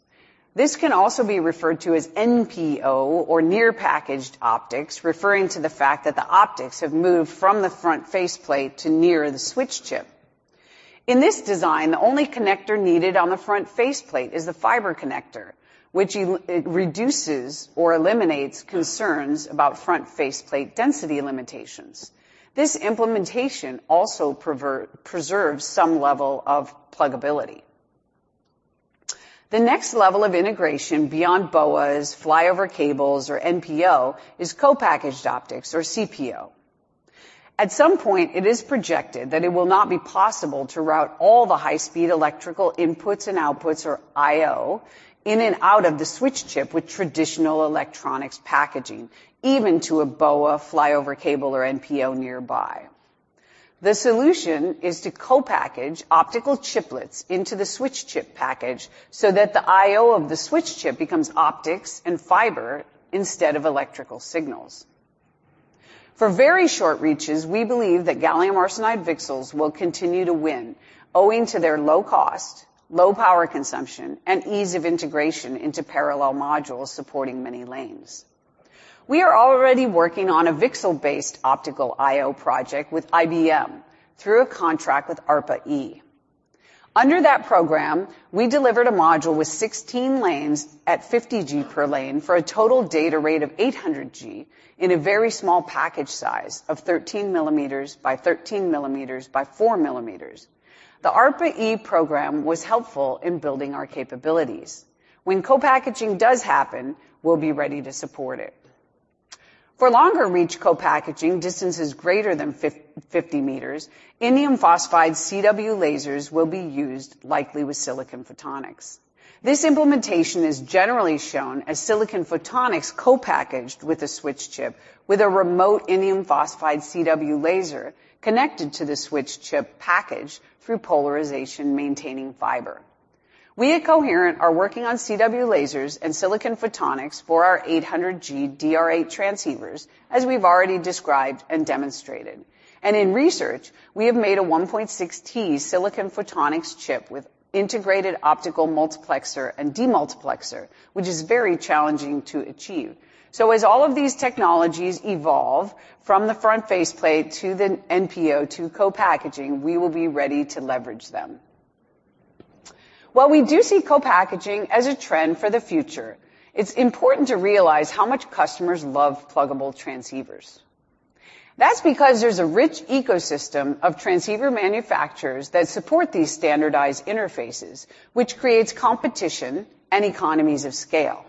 This can also be referred to as NPO, or near-packaged optics, referring to the fact that the optics have moved from the front faceplate to near the switch chip. In this design, the only connector needed on the front faceplate is the fiber connector, which reduces or eliminates concerns about front faceplate density limitations. This implementation also preserves some level of pluggability. The next level of integration beyond BOAs, flyover cables, or NPO is co-packaged optics, or CPO. At some point, it is projected that it will not be possible to route all the high-speed electrical inputs and outputs, or IO, in and out of the switch chip with traditional electronics packaging, even to a BOA, flyover cable, or NPO nearby. The solution is to co-package optical chiplets into the switch chip package so that the IO of the switch chip becomes optics and fiber instead of electrical signals. For very short reaches, we believe that gallium arsenide VCSELs will continue to win owing to their low cost, low power consumption, and ease of integration into parallel modules supporting many lanes. We are already working on a VCSEL-based optical IO project with IBM through a contract with ARPA-E. Under that program, we delivered a module with 16 lanes at 50G per lane for a total data rate of 800G in a very small package size of 13 mm by 13 mm by 4 mm. The ARPA-E program was helpful in building our capabilities. When co-packaging does happen, we'll be ready to support it. For longer reach co-packaging, distances greater than 50 meters, indium phosphide CW lasers will be used likely with silicon photonics. This implementation is generally shown as silicon photonics co-packaged with a switch chip with a remote indium phosphide CW laser connected to the switch chip package through polarization maintaining fiber. We at Coherent are working on CW lasers and silicon photonics for our 800G DR8 transceivers, as we've already described and demonstrated. In research, we have made a 1.6T silicon photonics chip with integrated optical multiplexer and demultiplexer, which is very challenging to achieve. As all of these technologies evolve from the front faceplate to the NPO to co-packaging, we will be ready to leverage them. While we do see co-packaging as a trend for the future, it's important to realize how much customers love pluggable transceivers. That's because there's a rich ecosystem of transceiver manufacturers that support these standardized interfaces, which creates competition and economies of scale.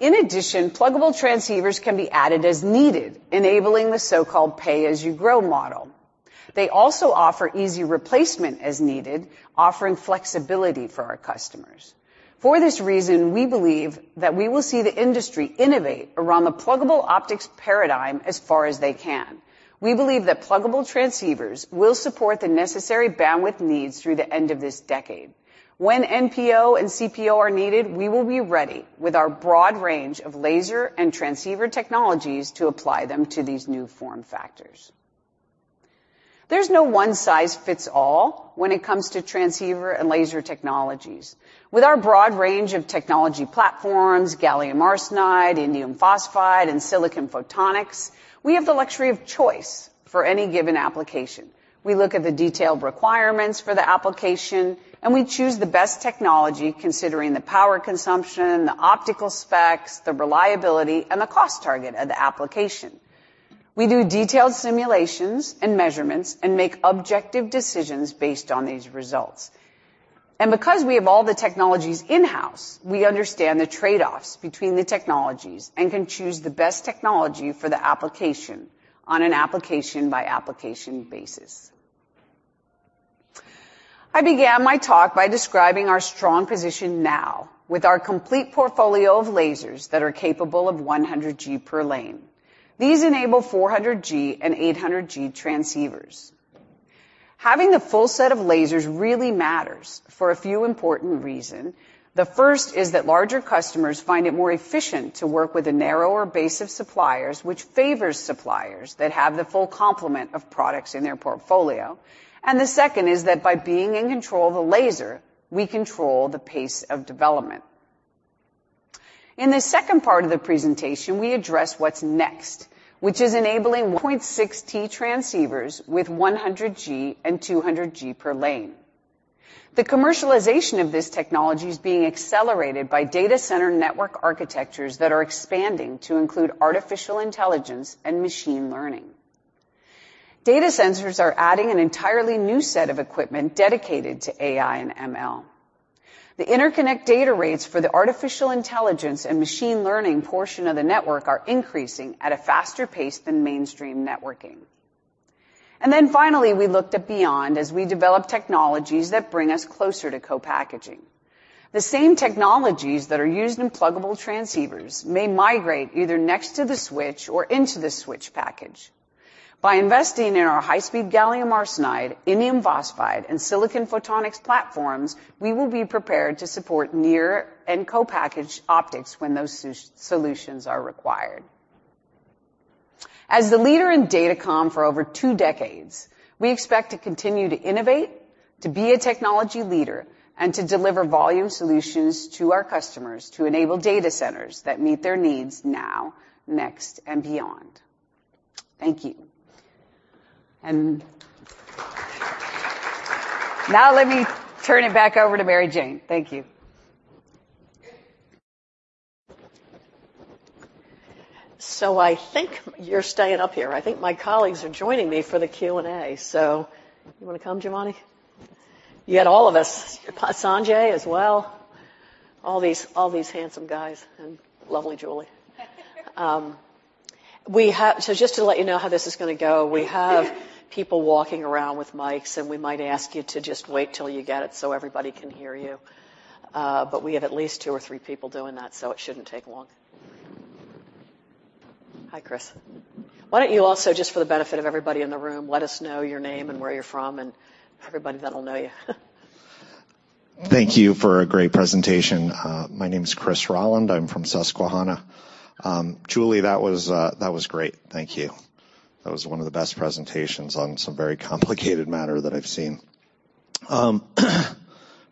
In addition, pluggable transceivers can be added as needed, enabling the so-called pay-as-you-grow model. They also offer easy replacement as needed, offering flexibility for our customers. For this reason, we believe that we will see the industry innovate around the pluggable optics paradigm as far as they can. We believe that pluggable transceivers will support the necessary bandwidth needs through the end of this decade. When NPO and CPO are needed, we will be ready with our broad range of laser and transceiver technologies to apply them to these new form factors. There's no one size fits all when it comes to transceiver and laser technologies. With our broad range of technology platforms, gallium arsenide, indium phosphide, and silicon photonics, we have the luxury of choice for any given application. We look at the detailed requirements for the application, and we choose the best technology, considering the power consumption, the optical specs, the reliability, and the cost target of the application. We do detailed simulations and measurements and make objective decisions based on these results. Because we have all the technologies in-house, we understand the trade-offs between the technologies and can choose the best technology for the application on an application-by-application basis. I began my talk by describing our strong position now with our complete portfolio of lasers that are capable of 100G per lane. These enable 400G and 800G transceivers. Having the full set of lasers really matters for a few important reason. The first is that larger customers find it more efficient to work with a narrower base of suppliers, which favors suppliers that have the full complement of products in their portfolio. The second is that by being in control of the laser, we control the pace of development. In the second part of the presentation, we address what's next, which is enabling 1.6T transceivers with 100G and 200G per lane. The commercialization of this technology is being accelerated by data center network architectures that are expanding to include artificial intelligence and machine learning. Data centers are adding an entirely new set of equipment dedicated to AI and ML. The interconnect data rates for the artificial intelligence and machine learning portion of the network are increasing at a faster pace than mainstream networking. Finally, we looked at beyond as we develop technologies that bring us closer to co-packaging. The same technologies that are used in pluggable transceivers may migrate either next to the switch or into the switch package. By investing in our high-speed gallium arsenide, indium phosphide, and silicon photonics platforms, we will be prepared to support near and co-packaged optics when those solutions are required. As the leader in datacom for over two decades, we expect to continue to innovate, to be a technology leader, and to deliver volume solutions to our customers to enable data centers that meet their needs now, next and beyond. Thank you. Now let me turn it back over to Mary Jane. Thank you. I think you're staying up here. I think my colleagues are joining me for the Q&A. You wanna come, Giovanni? You get all of us. Sanjai as well. All these handsome guys and lovely Julie. Just to let you know how this is gonna go, we have people walking around with mics, and we might ask you to just wait till you get it, so everybody can hear you. We have at least two or three people doing that, so it shouldn't take long. Hi, Chris. Why don't you also, just for the benefit of everybody in the room, let us know your name and where you're from and everybody that'll know you. Thank you for a great presentation. My name is Christopher Rolland. I'm from Susquehanna. Julie, that was great. Thank you. That was one of the best presentations on some very complicated matter that I've seen.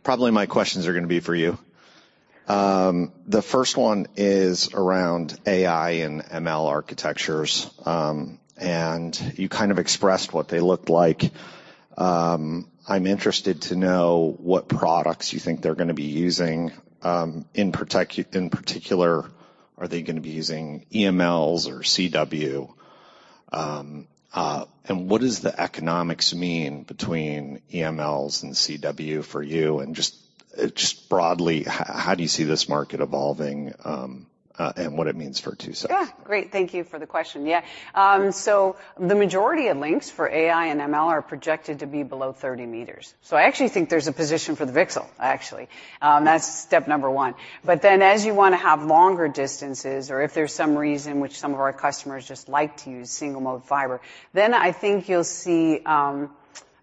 Probably my questions are gonna be for you. The first one is around AI and ML architectures, and you kind of expressed what they looked like. I'm interested to know what products you think they're gonna be using, in particular, are they gonna be using EMLs or CW? What does the economics mean between EMLs and CW for you? Just broadly, how do you see this market evolving, and what it means for II-VI? Great. Thank you for the question. The majority of links for AI and ML are projected to be below 30 meters. I actually think there's a position for the VCSEL, actually. That's step number 1. As you wanna have longer distances or if there's some reason which some of our customers just like to use single-mode fiber, then I think you'll see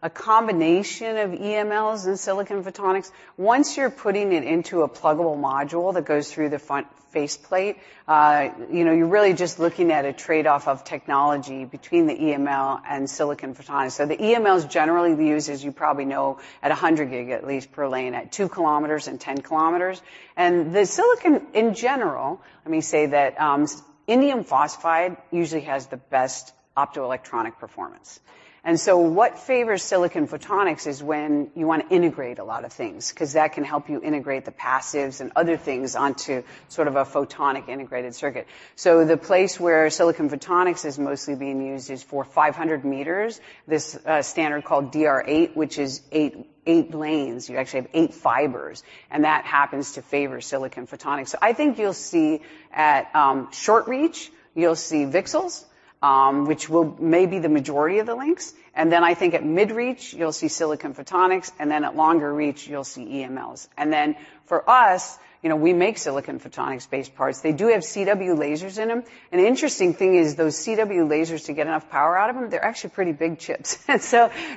a combination of EMLs and silicon photonics. Once you're putting it into a pluggable module that goes through the front face plate, you know, you're really just looking at a trade-off of technology between the EML and silicon photonics. The EML is generally used, as you probably know, at 100 gig at least per lane at 2 km and 10 km. The silicon, in general, let me say that, indium phosphide usually has the best optoelectronic performance. What favors silicon photonics is when you wanna integrate a lot of things, 'cause that can help you integrate the passives and other things onto sort of a photonic integrated circuit. The place where silicon photonics is mostly being used is for 500 meters, this standard called DR8, which is eight lanes. You actually have eight fibers, and that happens to favor silicon photonics. I think you'll see at short reach, you'll see VCSELs, which will may be the majority of the links. I think at mid-reach, you'll see silicon photonics, and then at longer reach, you'll see EMLs. For us, you know, we make silicon photonics-based parts. They do have CW lasers in them. The interesting thing is those CW lasers to get enough power out of them, they're actually pretty big chips.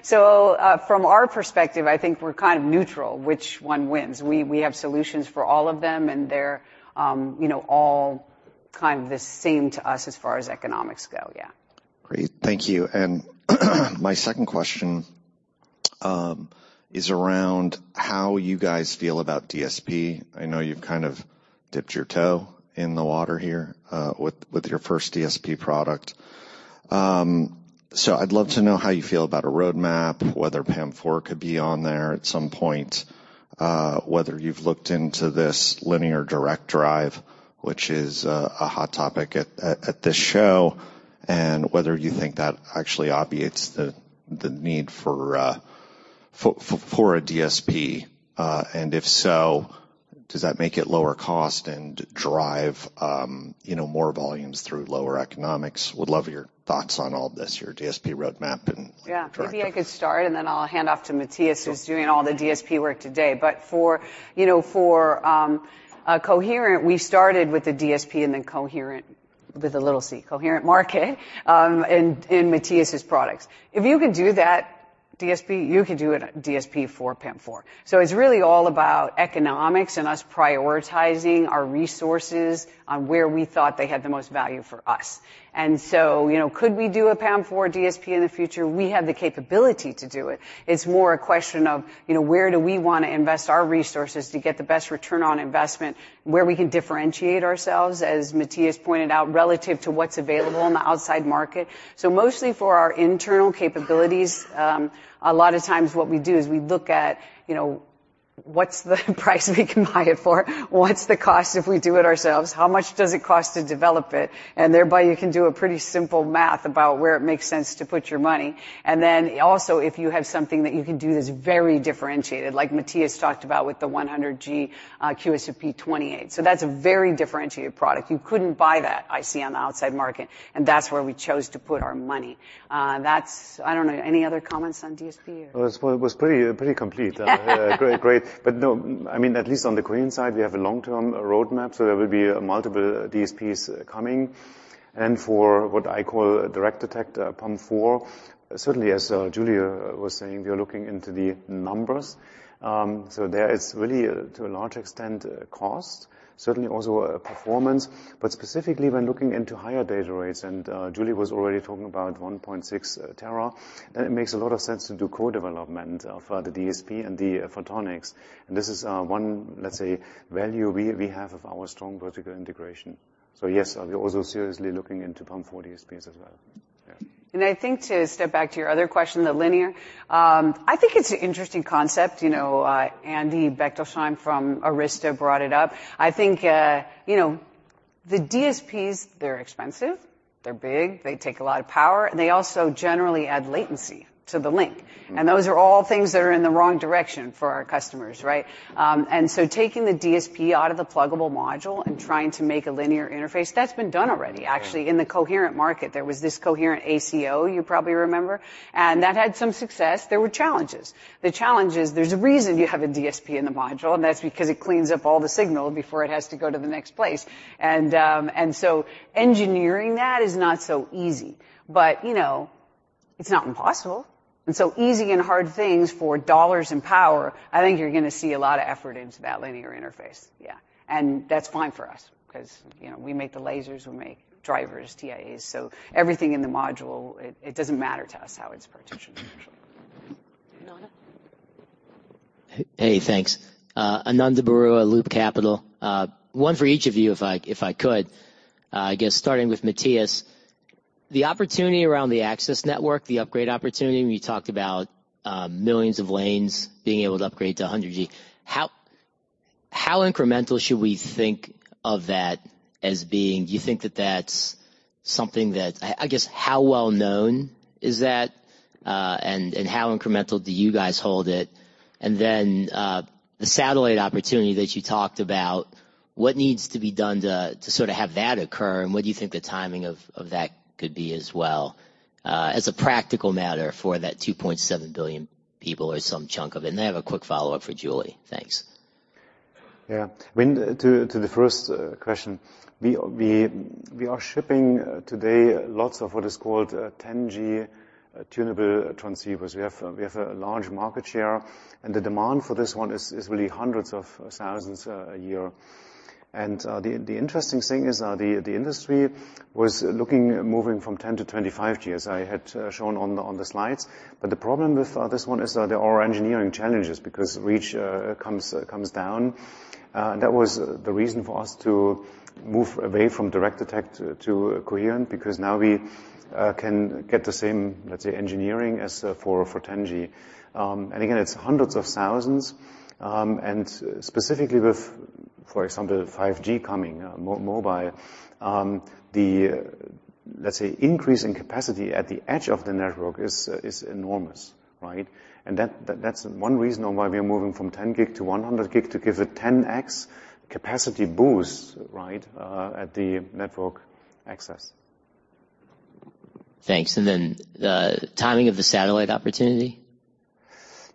From our perspective, I think we're kind of neutral which one wins. We have solutions for all of them, and they're, you know, all kind of the same to us as far as economics go, yeah. Great. Thank you. My second question is around how you guys feel about DSP. I know you've kind of dipped your toe in the water here with your first DSP product. I'd love to know how you feel about a roadmap, whether PAM4 could be on there at some point, whether you've looked into this linear direct drive, which is a hot topic at this show, and whether you think that actually obviates the need for a DSP. If so, does that make it lower cost and drive, you know, more volumes through lower economics? Would love your thoughts on all this, your DSP roadmap and like direction. Yeah. Maybe I could start, and then I'll hand off to Matthias, who's doing all the DSP work today. For, you know, for Coherent, we started with the DSP and then coherent, with a little C, coherent market, in Matthias' products. If you could do that DSP, you could do a DSP for PAM4. It's really all about economics and us prioritizing our resources on where we thought they had the most value for us. You know, could we do a PAM4 DSP in the future? We have the capability to do it. It's more a question of, you know, where do we wanna invest our resources to get the best return on investment, where we can differentiate ourselves, as Matthias pointed out, relative to what's available in the outside market. Mostly for our internal capabilities, a lot of times what we do is we look at, you know, what's the price we can buy it for? What's the cost if we do it ourselves? How much does it cost to develop it? Thereby, you can do a pretty simple math about where it makes sense to put your money. If you have something that you can do that's very differentiated, like Matthias talked about with the 100G, QSFP28. That's a very differentiated product. You couldn't buy that, I see, on the outside market, and that's where we chose to put our money. That's... I don't know. Any other comments on DSP or- It was pretty complete. Great. No, I mean, at least on the green side, we have a long-term roadmap, so there will be multiple DSPs coming. For what I call direct detect, 4. Certainly, as Julie was saying, we are looking into the numbers. There it's really, to a large extent, cost, certainly also performance. Specifically when looking into higher data rates, and Julie was already talking about 1.6 tera, it makes a lot of sense to do co-development of the DSP and the photonics. This is one, let's say, value we have of our strong vertical integration. Yes, we're also seriously looking into PAM4 DSP as well. Yeah. I think to step back to your other question, the linear. I think it's an interesting concept, you know, Andy Bechtolsheim from Arista brought it up. I think, you know, the DSPs, they're expensive, they're big, they take a lot of power, and they also generally add latency to the link. Mm-hmm. Those are all things that are in the wrong direction for our customers, right? Taking the DSP out of the pluggable module and trying to make a linear interface, that's been done already. Actually, in the coherent market, there was this coherent ACO, you probably remember. That had some success. There were challenges. The challenge is there's a reason you have a DSP in the module, and that's because it cleans up all the signal before it has to go to the next place. Engineering that is not so easy. You know, it's not impossible. Easy and hard things for dollars and power, I think you're gonna see a lot of effort into that linear interface. Yeah. That's fine for us 'cause, you know, we make the lasers, we make drivers, TIAs. Everything in the module, it doesn't matter to us how it's partitioned actually. Nona. Hey, thanks. Ananda Baruah, Loop Capital. One for each of you if I, if I could. I guess starting with Matthias. The opportunity around the access network, the upgrade opportunity, we talked about millions of lanes being able to upgrade to 100G. How incremental should we think of that as being? Do you think that that's something that? I guess how well-known is that, and how incremental do you guys hold it? The satellite opportunity that you talked about, what needs to be done to sort of have that occur, and what do you think the timing of that could be as well, as a practical matter for that 2.7 billion people or some chunk of it? I have a quick follow-up for Julie. Thanks. To the first question. We are shipping today lots of what is called 10G tunable transceivers. We have a large market share, the demand for this one is really hundreds of thousands a year. The interesting thing is the industry was looking at moving from 10G to 25G, as I had shown on the slides. The problem with this one is there are engineering challenges because reach comes down. That was the reason for us to move away from direct detect to coherent, because now we can get the same, let's say, engineering as for 10G. Again, it's hundreds of thousands. And specifically with, for example, 5G coming mobile, the, let's say, increase in capacity at the edge of the network is enormous, right? And that's one reason on why we are moving from 10 gig to 100 gig to give a 10x capacity boost, right, at the network access. Thanks. Then the timing of the satellite opportunity. Yeah.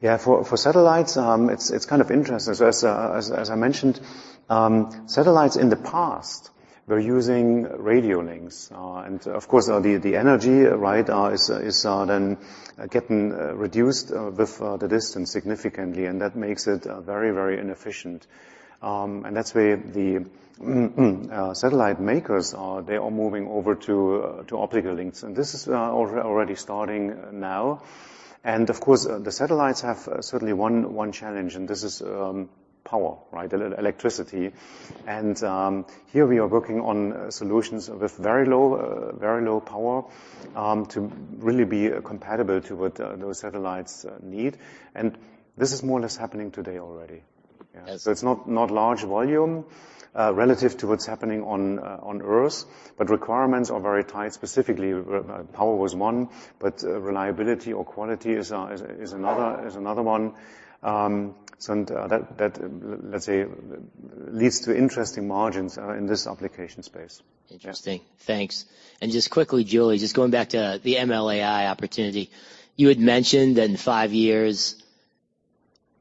For satellites, it's kind of interesting. As I mentioned, satellites in the past were using radio links. Of course, the energy, right, is then getting reduced with the distance significantly, and that makes it very, very inefficient. That's where the satellite makers are moving over to optical links. This is already starting now. Of course, the satellites have certainly one challenge, and this is power, right? Electricity. Here we are working on solutions with very low power to really be compatible to what those satellites need. This is more or less happening today already. Yeah. It's not large volume, relative to what's happening on Earth, but requirements are very tight. Specifically, re-power was one, but reliability or quality is another one. That, let's say, leads to interesting margins in this application space. Interesting. Thanks. Just quickly, Julie, just going back to the ML, AI opportunity. You had mentioned that in five years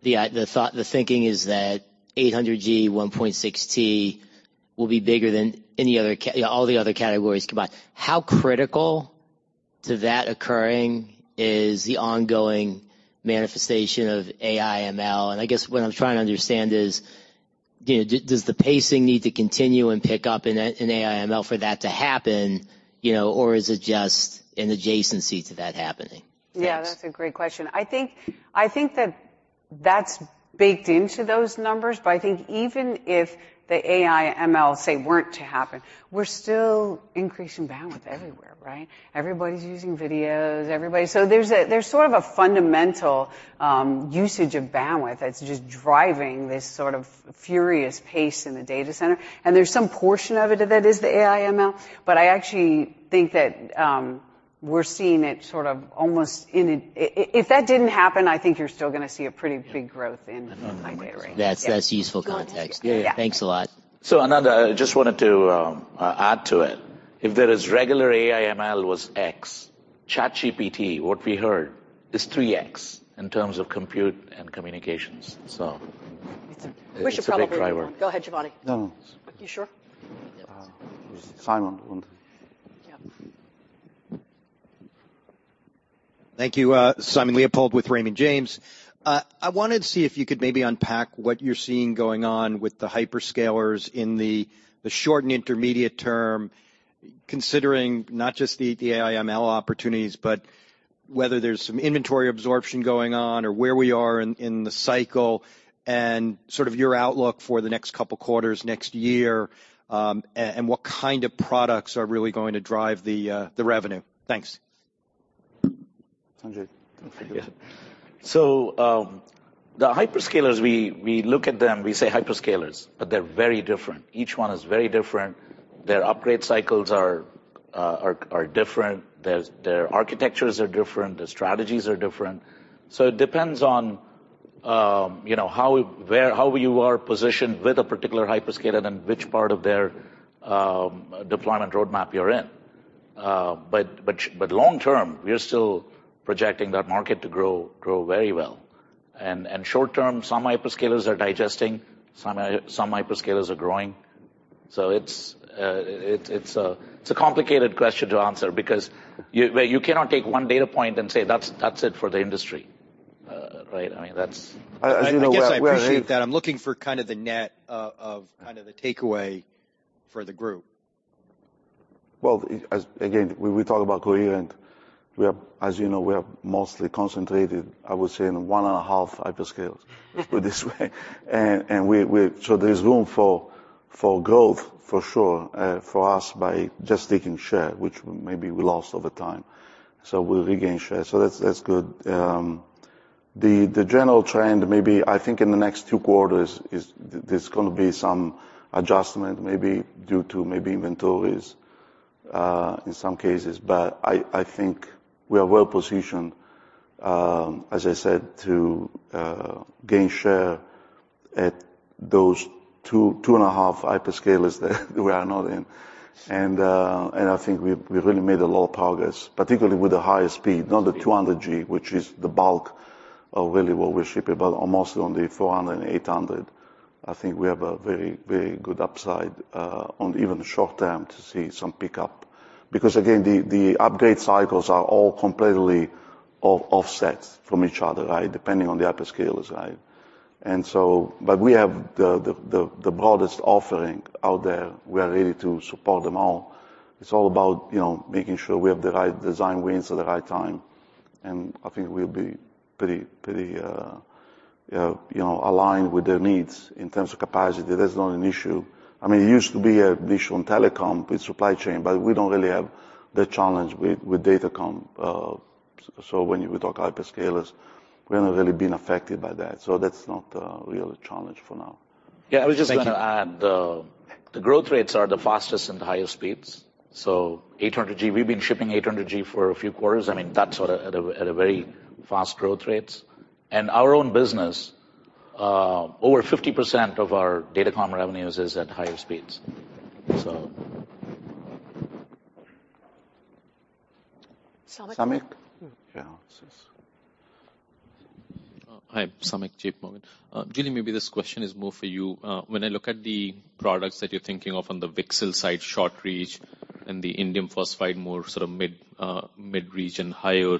the thinking is that 800G, 1.6T will be bigger than any other all the other categories combined. How critical to that occurring is the ongoing manifestation of AI, ML? I guess what I'm trying to understand is, you know, does the pacing need to continue and pick up in AI, ML for that to happen, you know, or is it just an adjacency to that happening? Thanks. Yeah, that's a great question. I think that's baked into those numbers, but I think even if the AI ML, say, weren't to happen, we're still increasing bandwidth everywhere, right? Everybody's using videos. There's a sort of a fundamental usage of bandwidth that's just driving this sort of furious pace in the data center. There's some portion of it that is the AI ML. I actually think that we're seeing it sort of almost if that didn't happen, I think you're still gonna see a pretty big growth in high data rates. That's useful context. Yeah. Yeah, thanks a lot. Ananda, I just wanted to add to it. If there is regular AI ML was X, ChatGPT, what we heard, is 3X in terms of compute and communications. It's a big driver. Go ahead, Giovanni. No. You sure? Simon want. Yeah. Thank you. Simon Leopold with Raymond James. I wanted to see if you could maybe unpack what you're seeing going on with the hyperscalers in the short and intermediate term, considering not just the AI ML opportunities, but whether there's some inventory absorption going on or where we are in the cycle and sort of your outlook for the next couple quarters next year, and what kind of products are really going to drive the revenue. Thanks. Anand, go for it. The hyperscalers, we look at them, we say hyperscalers, but they're very different. Each one is very different. Their upgrade cycles are different. Their architectures are different. Their strategies are different. It depends on, you know, how, where, how you are positioned with a particular hyperscaler and which part of their deployment roadmap you're in. Long term, we are still projecting that market to grow very well. Short term, some hyperscalers are digesting, some hyperscalers are growing. It's a complicated question to answer because you, well, you cannot take one data point and say, "That's it for the industry." Right? I mean, that's. As you know, we're. I guess I appreciate that. I'm looking for kind of the net of kind of the takeaway for the group. Well, as, again, we talk about Coherent. We are, as you know, we are mostly concentrated, I would say, in 1.5 hyperscales, put it this way. There's room for growth for sure, for us by just taking share, which maybe we lost over time. We'll regain share. That's good. The general trend may be, I think in the next two quarters is there's gonna be some adjustment maybe due to maybe inventories, in some cases. I think we are well positioned, as I said, to gain share at those 2.5 hyperscalers that we are not in. I think we really made a lot of progress, particularly with the higher speed, not the 200G, which is the bulk of really what we're shipping, but mostly on the 400 and 800. I think we have a very good upside on even the short term to see some pickup. Again, the upgrade cycles are all completely offset from each other, right? Depending on the hyperscalers, right? We have the broadest offering out there. We are ready to support them all. It's all about, you know, making sure we have the right design wins at the right time. I think we'll be pretty, you know, aligned with their needs in terms of capacity. That's not an issue. I mean, it used to be a issue on telecom with supply chain, but we don't really have that challenge with datacom. When we talk hyperscalers, we haven't really been affected by that. That's not a real challenge for now. Yeah. Thank you. I was just gonna add, the growth rates are the fastest and the highest speeds. 800G, we've been shipping 800G for a few quarters. I mean, that's at a very fast growth rates. Our own business, over 50% of our datacom revenues is at higher speeds. Samik. Samik? Yeah. Hi. Samik Chatterjee. Julie Sheridan Eng, maybe this question is more for you. When I look at the products that you're thinking of on the VCSEL side, short reach, and the indium phosphide more sort of mid-reach and higher,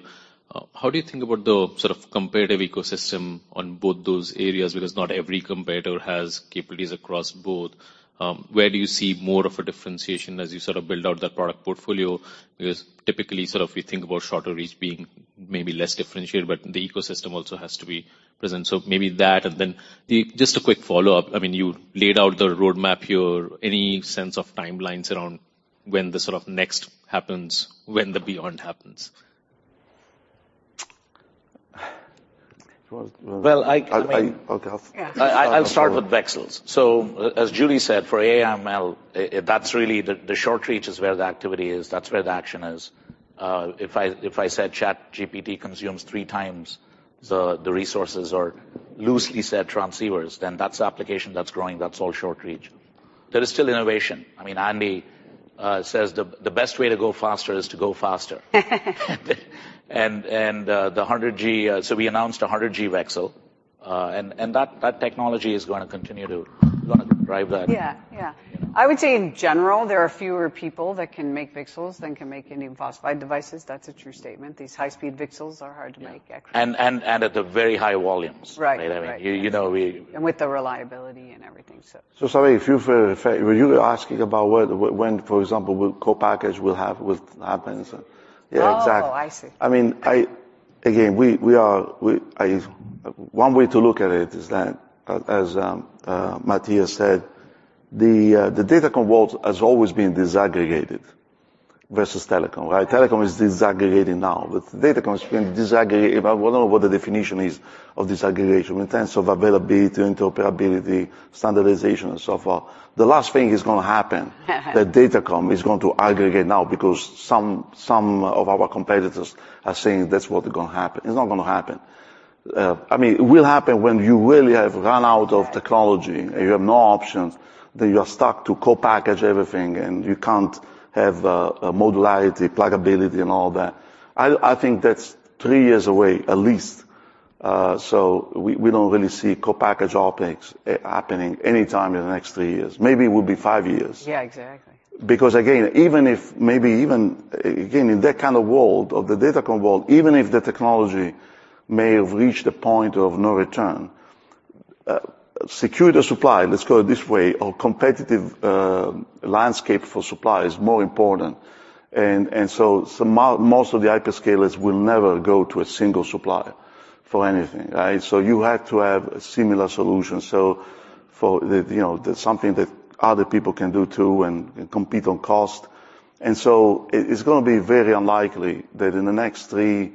how do you think about the sort of competitive ecosystem on both those areas? Not every competitor has capabilities across both. Where do you see more of a differentiation as you sort of build out that product portfolio? Typically, sort of we think about shorter reach being maybe less differentiated, but the ecosystem also has to be present. Maybe that, and then the... Just a quick follow-up. I mean, you laid out the roadmap here. Any sense of timelines around when the sort of next happens, when the beyond happens? Well, I... I'll go. Yeah. I'll start with VCSELs. As Julie said, for AI ML, that's really the short reach is where the activity is. That's where the action is. If I said ChatGPT consumes three times the resources or loosely said transceivers, then that's the application that's growing. That's all short reach. There is still innovation. I mean, Andy, says the best way to go faster is to go faster. The 100G, so we announced a 100G VCSEL. That technology is gonna continue to drive that. Yeah. Yeah. I would say in general, there are fewer people that can make VCSELs than can make indium phosphide devices. That's a true statement. These high-speed VCSELs are hard to make actually. At the very high volumes. Right. Right. You know. With the reliability and everything. Sorry, if you were asking about whether when, for example, will co-package will happens. Yeah, exactly. Oh, I see. I mean, again, one way to look at it is that as Matthias said, the datacom world has always been disaggregated versus telecom, right? Telecom is disaggregating now. With datacom it's been. We don't know what the definition is of disaggregation in terms of availability, interoperability, standardization, and so forth. The last thing is gonna happen. That datacom is going to aggregate now because some of our competitors are saying that's what is gonna happen. It's not gonna happen. I mean, it will happen when you really have run out of technology, and you have no options, that you are stuck to co-package everything, and you can't have modularity, pluggability, and all that. I think that's three years away at least. We don't really see co-package optics happening anytime in the next three years. Maybe it will be five years. Yeah, exactly. Again, even if maybe even, again, in that kind of world of the datacom world, even if the technology may have reached the point of no return, security of supply, let's call it this way, or competitive, landscape for supply is more important. Most of the hyperscalers will never go to a single supplier for anything, right? You have to have similar solutions. For the, you know, something that other people can do too and compete on cost. It's gonna be very unlikely that in the next three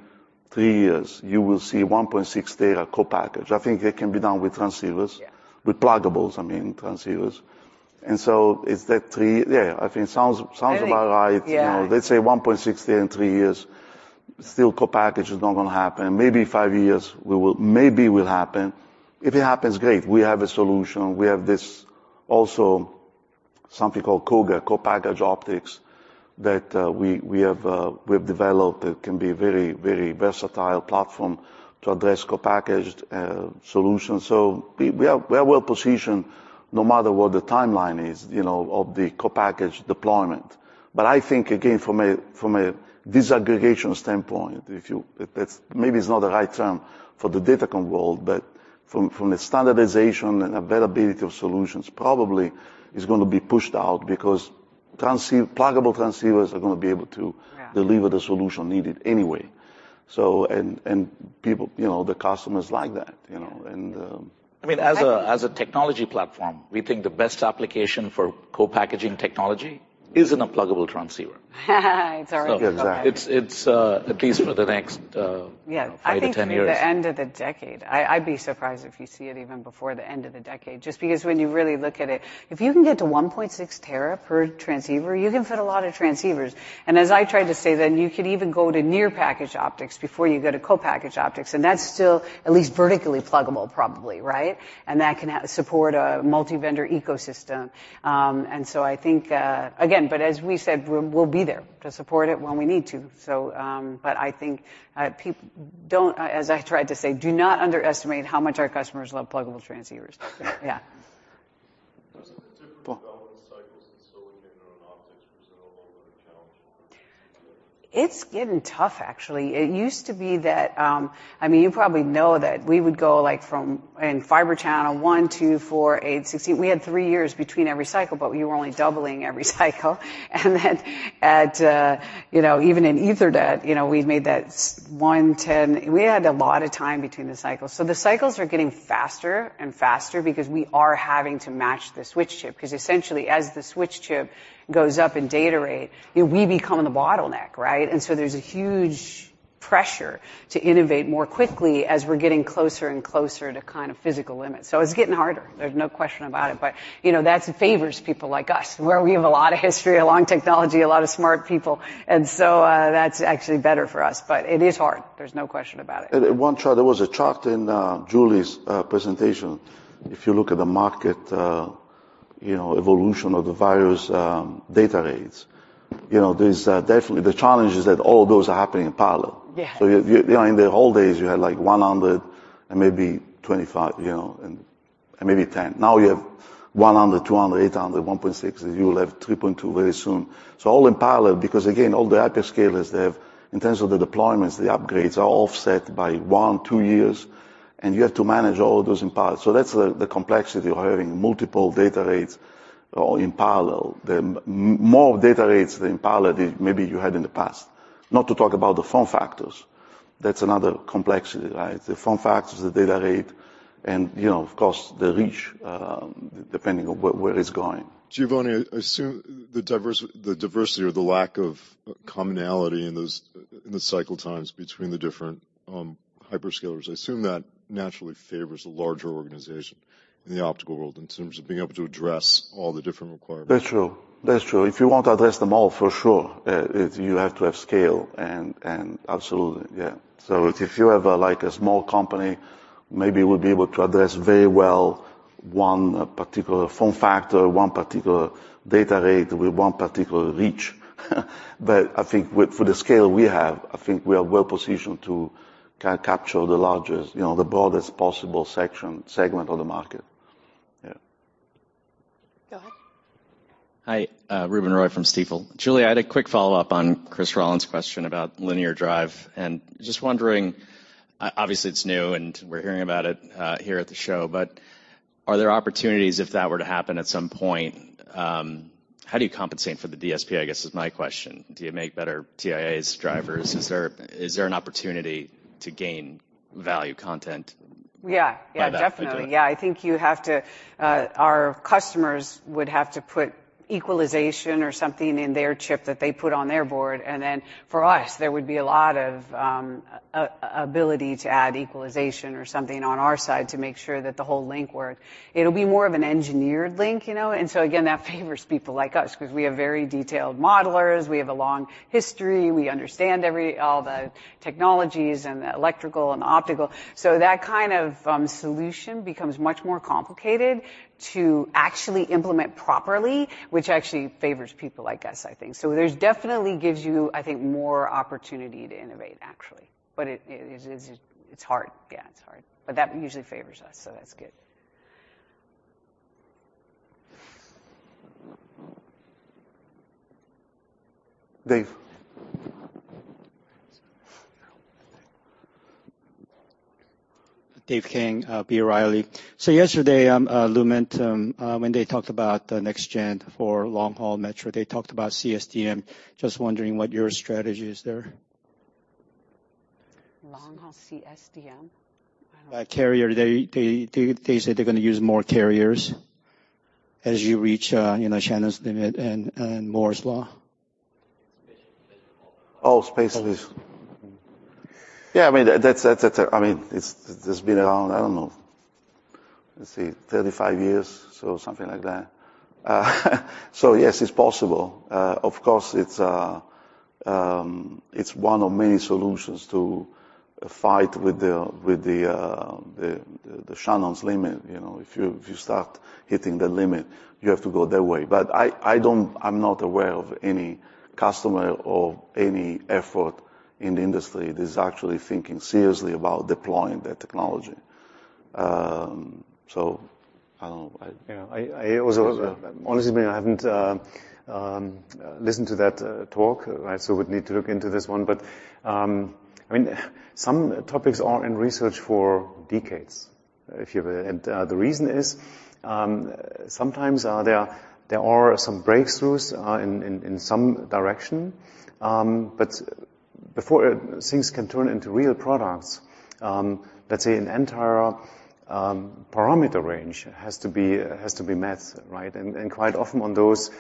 years you will see 1.6 tera co-package. I think it can be done with transceivers. Yeah. With pluggables, I mean, transceivers. Is that 3? Yeah, I think it sounds about right. Maybe, yeah. You know, let's say 1.6 tera in three years, still co-package is not gonna happen. Maybe five years maybe will happen. If it happens, great. We have a solution. We have this also something called CoGa, co-packaged optics, that we've developed that can be very, very versatile platform to address co-packaged solutions. We are well-positioned no matter what the timeline is, you know, of the co-packaged deployment. I think again, from a disaggregation standpoint, if that's maybe is not the right term for the Datacom world, but from the standardization and availability of solutions probably is gonna be pushed out because pluggable transceivers are gonna be able to- Yeah... deliver the solution needed anyway. People, you know, the customers like that, you know. I mean, as a technology platform, we think the best application for co-packaging technology isn't a pluggable transceiver. It's all right. Yeah, exactly. It's at least for the next, you know, five to 10 years. Yeah, I think the end of the decade. I'd be surprised if you see it even before the end of the decade, just because when you really look at it, if you can get to 1.6 tera per transceiver, you can fit a lot of transceivers. As I tried to say then, you could even go to near package optics before you go to co-package optics, and that's still at least vertically pluggable probably, right? That can support a multi-vendor ecosystem. I think, again, as we said, we'll be there to support it when we need to. I think don't, as I tried to say, do not underestimate how much our customers love pluggable transceivers. Yeah. Does the different development cycles in silicon and in optics present a lot of other challenges for you today? It's getting tough, actually. It used to be that, I mean, you probably know that we would go like from in Fibre Channel 1, 2, 4, 8, 16. We had three years between every cycle, but we were only doubling every cycle. You know, even in Ethernet, you know, we've made that 1, 10. We had a lot of time between the cycles. The cycles are getting faster and faster because we are having to match the switch chip 'cause essentially as the switch chip goes up in data rate, you know, we become the bottleneck, right? There's a huge pressure to innovate more quickly as we're getting closer and closer to kind of physical limits. It's getting harder. There's no question about it. You know, that favors people like us, where we have a lot of history, a long technology, a lot of smart people. That's actually better for us. It is hard, there's no question about it. One chart, there was a chart in Julie's presentation. If you look at the market, you know, evolution of the various data rates, you know, there's definitely the challenge is that all those are happening in parallel. Yeah. You, you know, in the old days, you had like 100 and maybe 25, you know, and maybe 10. Now you have 100, 200, 800, 1.6, and you will have 3.2 very soon. All in parallel, because again, all the hyperscalers they have in terms of the deployments, the upgrades are all offset by one, two years, and you have to manage all of those in parallel. That's the complexity of having multiple data rates in parallel. More data rates in parallel than maybe you had in the past. Not to talk about the form factors. That's another complexity, right? The form factors, the data rate, and, you know, of course, the reach, depending on where it's going. Giovanni, I assume the diversity or the lack of commonality in those, in the cycle times between the different hyperscalers, I assume that naturally favors a larger organization in the optical world in terms of being able to address all the different requirements. That's true. That's true. If you want to address them all, for sure, you have to have scale and absolutely, yeah. If you have a, like, a small company, maybe it would be able to address very well one particular form factor, one particular data rate with one particular reach. I think with, for the scale we have, I think we are well-positioned to capture the largest, you know, the broadest possible section, segment of the market. Yeah. Go ahead. Hi, Ruben Roy from Stifel. Julie, I had a quick follow-up on Chris Rolland's question about linear drive. Just wondering, obviously, it's new, and we're hearing about it here at the show, are there opportunities if that were to happen at some point, how do you compensate for the DSP, I guess is my question? Do you make better TIAs drivers? Is there an opportunity to gain value content- Yeah. By that, ideally. Yeah, definitely. Yeah. I think you have to... our customers would have to put equalization or something in their chip that they put on their board. Then for us, there would be a lot of ability to add equalization or something on our side to make sure that the whole link worked. It'll be more of an engineered link, you know. So again, that favors people like us 'cause we have very detailed modelers, we have a long history, we understand all the technologies and the electrical and the optical. That kind of solution becomes much more complicated to actually implement properly, which actually favors people like us, I think. There's definitely gives you, I think, more opportunity to innovate, actually. It is, it's hard. Yeah, it's hard. That usually favors us, so that's good. Dave. Dave Kang, B. Riley. Yesterday, Lumentum, when they talked about the next gen for long-haul metro, they talked about CSDM. Just wondering what your strategy is there. Long-haul CSDM? I don't- carrier. They said they're gonna use more carriers as you reach, you know, Shannon limit and Moore's law. Oh, space division. Yeah, I mean, that's, I mean, it's been around, I don't know, let's see, 35 years, something like that. Yes, it's possible. Of course, it's one of many solutions to fight with the Shannon limit. You know, if you, if you start hitting the limit, you have to go that way. I'm not aware of any customer or any effort in the industry that's actually thinking seriously about deploying that technology. I don't know. Yeah. I also, honestly, I haven't listened to that talk, right? Would need to look into this one. I mean, some topics are in research for decades, if you will. The reason is, sometimes there are some breakthroughs in some direction. Before things can turn into real products, let's say an entire parameter range has to be met, right? Quite often on those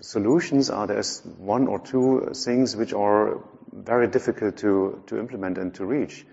solutions there's one or two things which are very difficult to implement and to reach,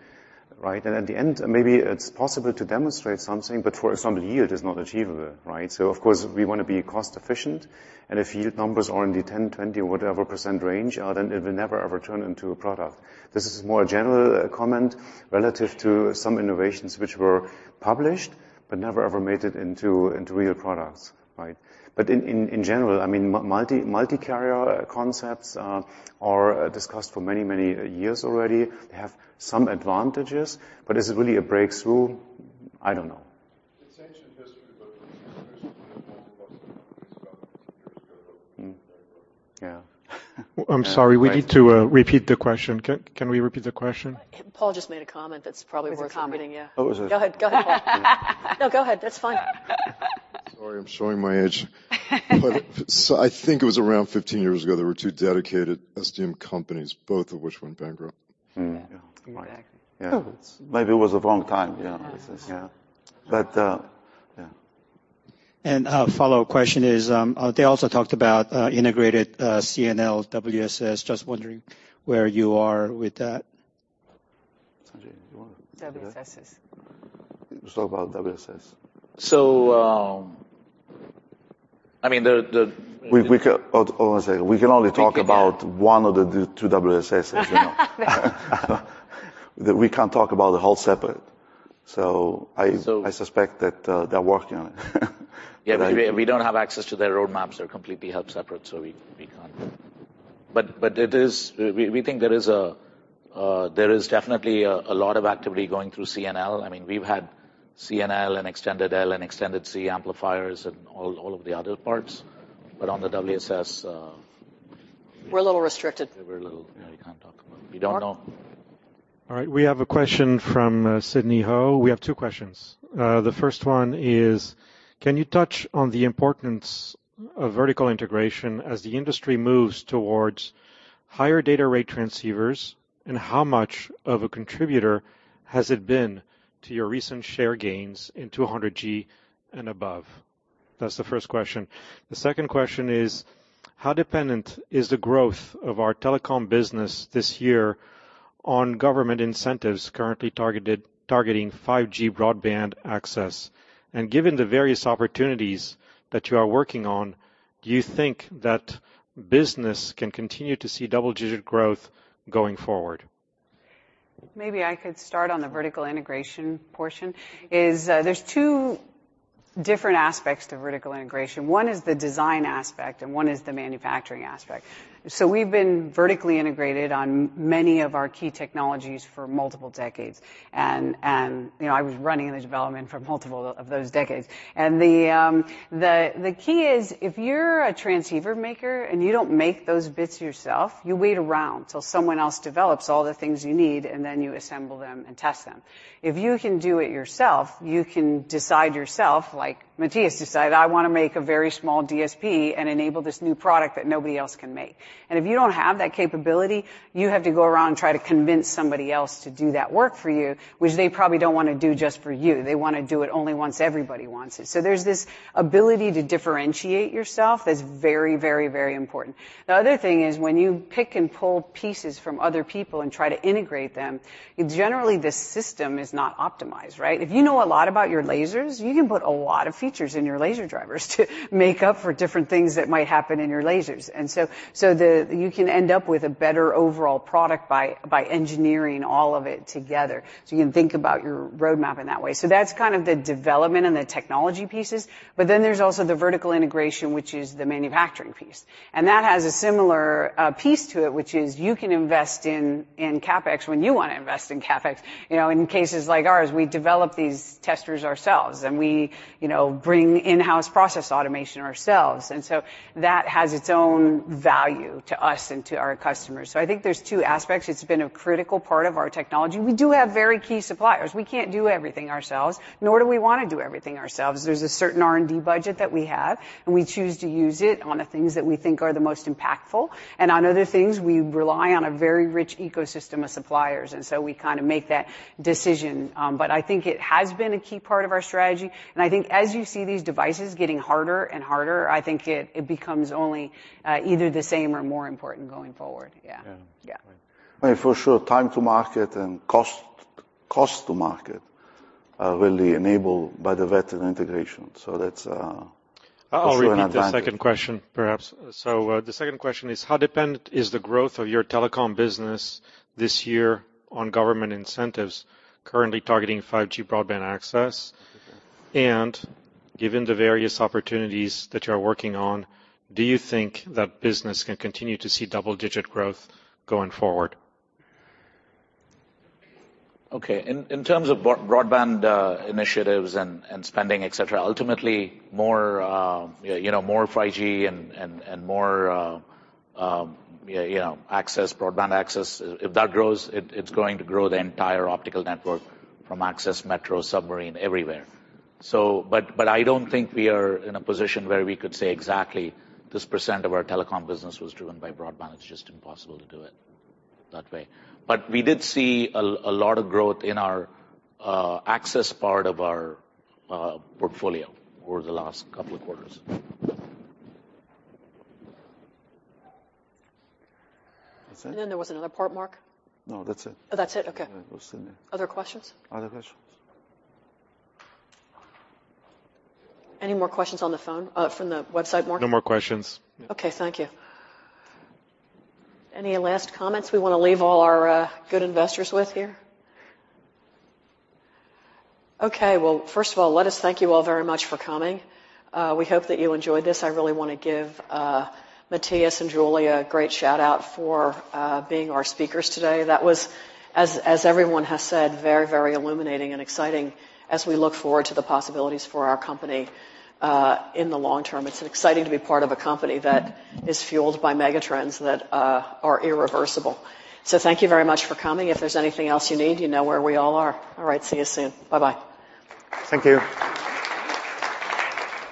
right? At the end, maybe it's possible to demonstrate something, but for some yield is not achievable, right? Of course, we wanna be cost efficient. If yield numbers are in the 10, 20, whatever % range, then it will never, ever turn into a product. This is more a general comment relative to some innovations which were published but never ever made it into real products, right? In general, I mean, multi-carrier concepts are discussed for many, many years already. They have some advantages, but is it really a breakthrough? I don't know. Essentially, because years ago. Mm-hmm. Yeah. I'm sorry. We need to repeat the question. Can we repeat the question? Paul just made a comment that's probably worth repeating, yeah. Oh, was it? Go ahead. Go ahead, Paul. No, go ahead. That's fine. Sorry, I'm showing my age. I think it was around 15 years ago, there were two dedicated SDM companies, both of which went bankrupt. Mm-hmm. Yeah. Exactly. Yeah. Maybe it was a long time. Yeah. Yeah. Yeah. A follow-up question is, they also talked about integrated CNL WSS. Just wondering where you are with that? Sanjai, you wanna- WSS. Let's talk about WSS. I mean, the. We can. Hold on one second. We can only talk about one of the two WSSs, you know. We can't talk about the whole separate. So- I suspect that, they're working on it. Yeah, we don't have access to their roadmaps. They're completely held separate, we can't. We think there is definitely a lot of activity going through CNL. I mean, we've had CNL and extended L-band and extended C-band amplifiers and all of the other parts. On the WSS. We're a little restricted. Yeah, we can't talk about it. We don't know. All right. We have a question from Sidney Ho. We have two questions. The first one is, can you touch on the importance of vertical integration as the industry moves towards higher data rate transceivers? How much of a contributor has it been to your recent share gains in 200G and above? That's the first question. The second question is, how dependent is the growth of our telecom business this year on government incentives currently targeting 5G broadband access? Given the various opportunities that you are working on, do you think that business can continue to see double-digit growth going forward? Maybe I could start on the vertical integration portion is, there's two different aspects to vertical integration. One is the design aspect, and one is the manufacturing aspect. We've been vertically integrated on many of our key technologies for multiple decades. You know, I was running the development for multiple of those decades. The key is if you're a transceiver maker, and you don't make those bits yourself, you wait around till someone else develops all the things you need, and then you assemble them and test them. If you can do it yourself, you can decide yourself, like Matthias decided, "I wanna make a very small DSP and enable this new product that nobody else can make." If you don't have that capability, you have to go around and try to convince somebody else to do that work for you, which they probably don't wanna do just for you. They wanna do it only once everybody wants it. There's this ability to differentiate yourself that's very, very, very important. The other thing is when you pick and pull pieces from other people and try to integrate them, generally the system is not optimized, right? If you know a lot about your lasers, you can put a lot of features in your laser drivers to make up for different things that might happen in your lasers. You can end up with a better overall product by engineering all of it together. You can think about your roadmap in that way. That's kind of the development and the technology pieces. There's also the vertical integration, which is the manufacturing piece. That has a similar piece to it, which is you can invest in CapEx when you wanna invest in CapEx. You know, in cases like ours, we develop these testers ourselves, and we, you know, bring in-house process automation ourselves. That has its own value to us and to our customers. I think there's two aspects. It's been a critical part of our technology. We do have very key suppliers. We can't do everything ourselves, nor do we wanna do everything ourselves. There's a certain R&D budget that we have, and we choose to use it on the things that we think are the most impactful. On other things, we rely on a very rich ecosystem of suppliers. So we kind of make that decision. I think it has been a key part of our strategy. I think as you see these devices getting harder and harder, I think it becomes only either the same or more important going forward. Yeah. Yeah. Yeah. Right. I mean, for sure, time to market and cost to market are really enabled by the vertical integration. That's also an advantage. I'll repeat the second question perhaps. The second question is, how dependent is the growth of your telecom business this year on government incentives currently targeting 5G broadband access? Given the various opportunities that you're working on, do you think that business can continue to see double-digit growth going forward? Okay. In terms of broadband initiatives and spending, et cetera, ultimately more, you know, more 5G and more access, broadband access, if that grows, it's going to grow the entire optical network from access metro submarine everywhere. But I don't think we are in a position where we could say exactly this % of our telecom business was driven by broadband. It's just impossible to do it that way. But we did see a lot of growth in our access part of our portfolio over the last couple of quarters. That's it? There was another part, Mark. No, that's it. Oh, that's it. Okay. Yeah. It was in there. Other questions? Other questions. Any more questions from the website, Mark? No more questions. Yeah. Thank you. Any last comments we wanna leave all our good investors with here? Well, first of all, let us thank you all very much for coming. We hope that you enjoyed this. I really wanna give Matthias and Julie a great shout-out for being our speakers today. That was, as everyone has said, very illuminating and exciting as we look forward to the possibilities for our company in the long term. It's exciting to be part of a company that is fueled by megatrends that are irreversible. Thank you very much for coming. If there's anything else you need, you know where we all are. See you soon. Bye-bye. Thank you.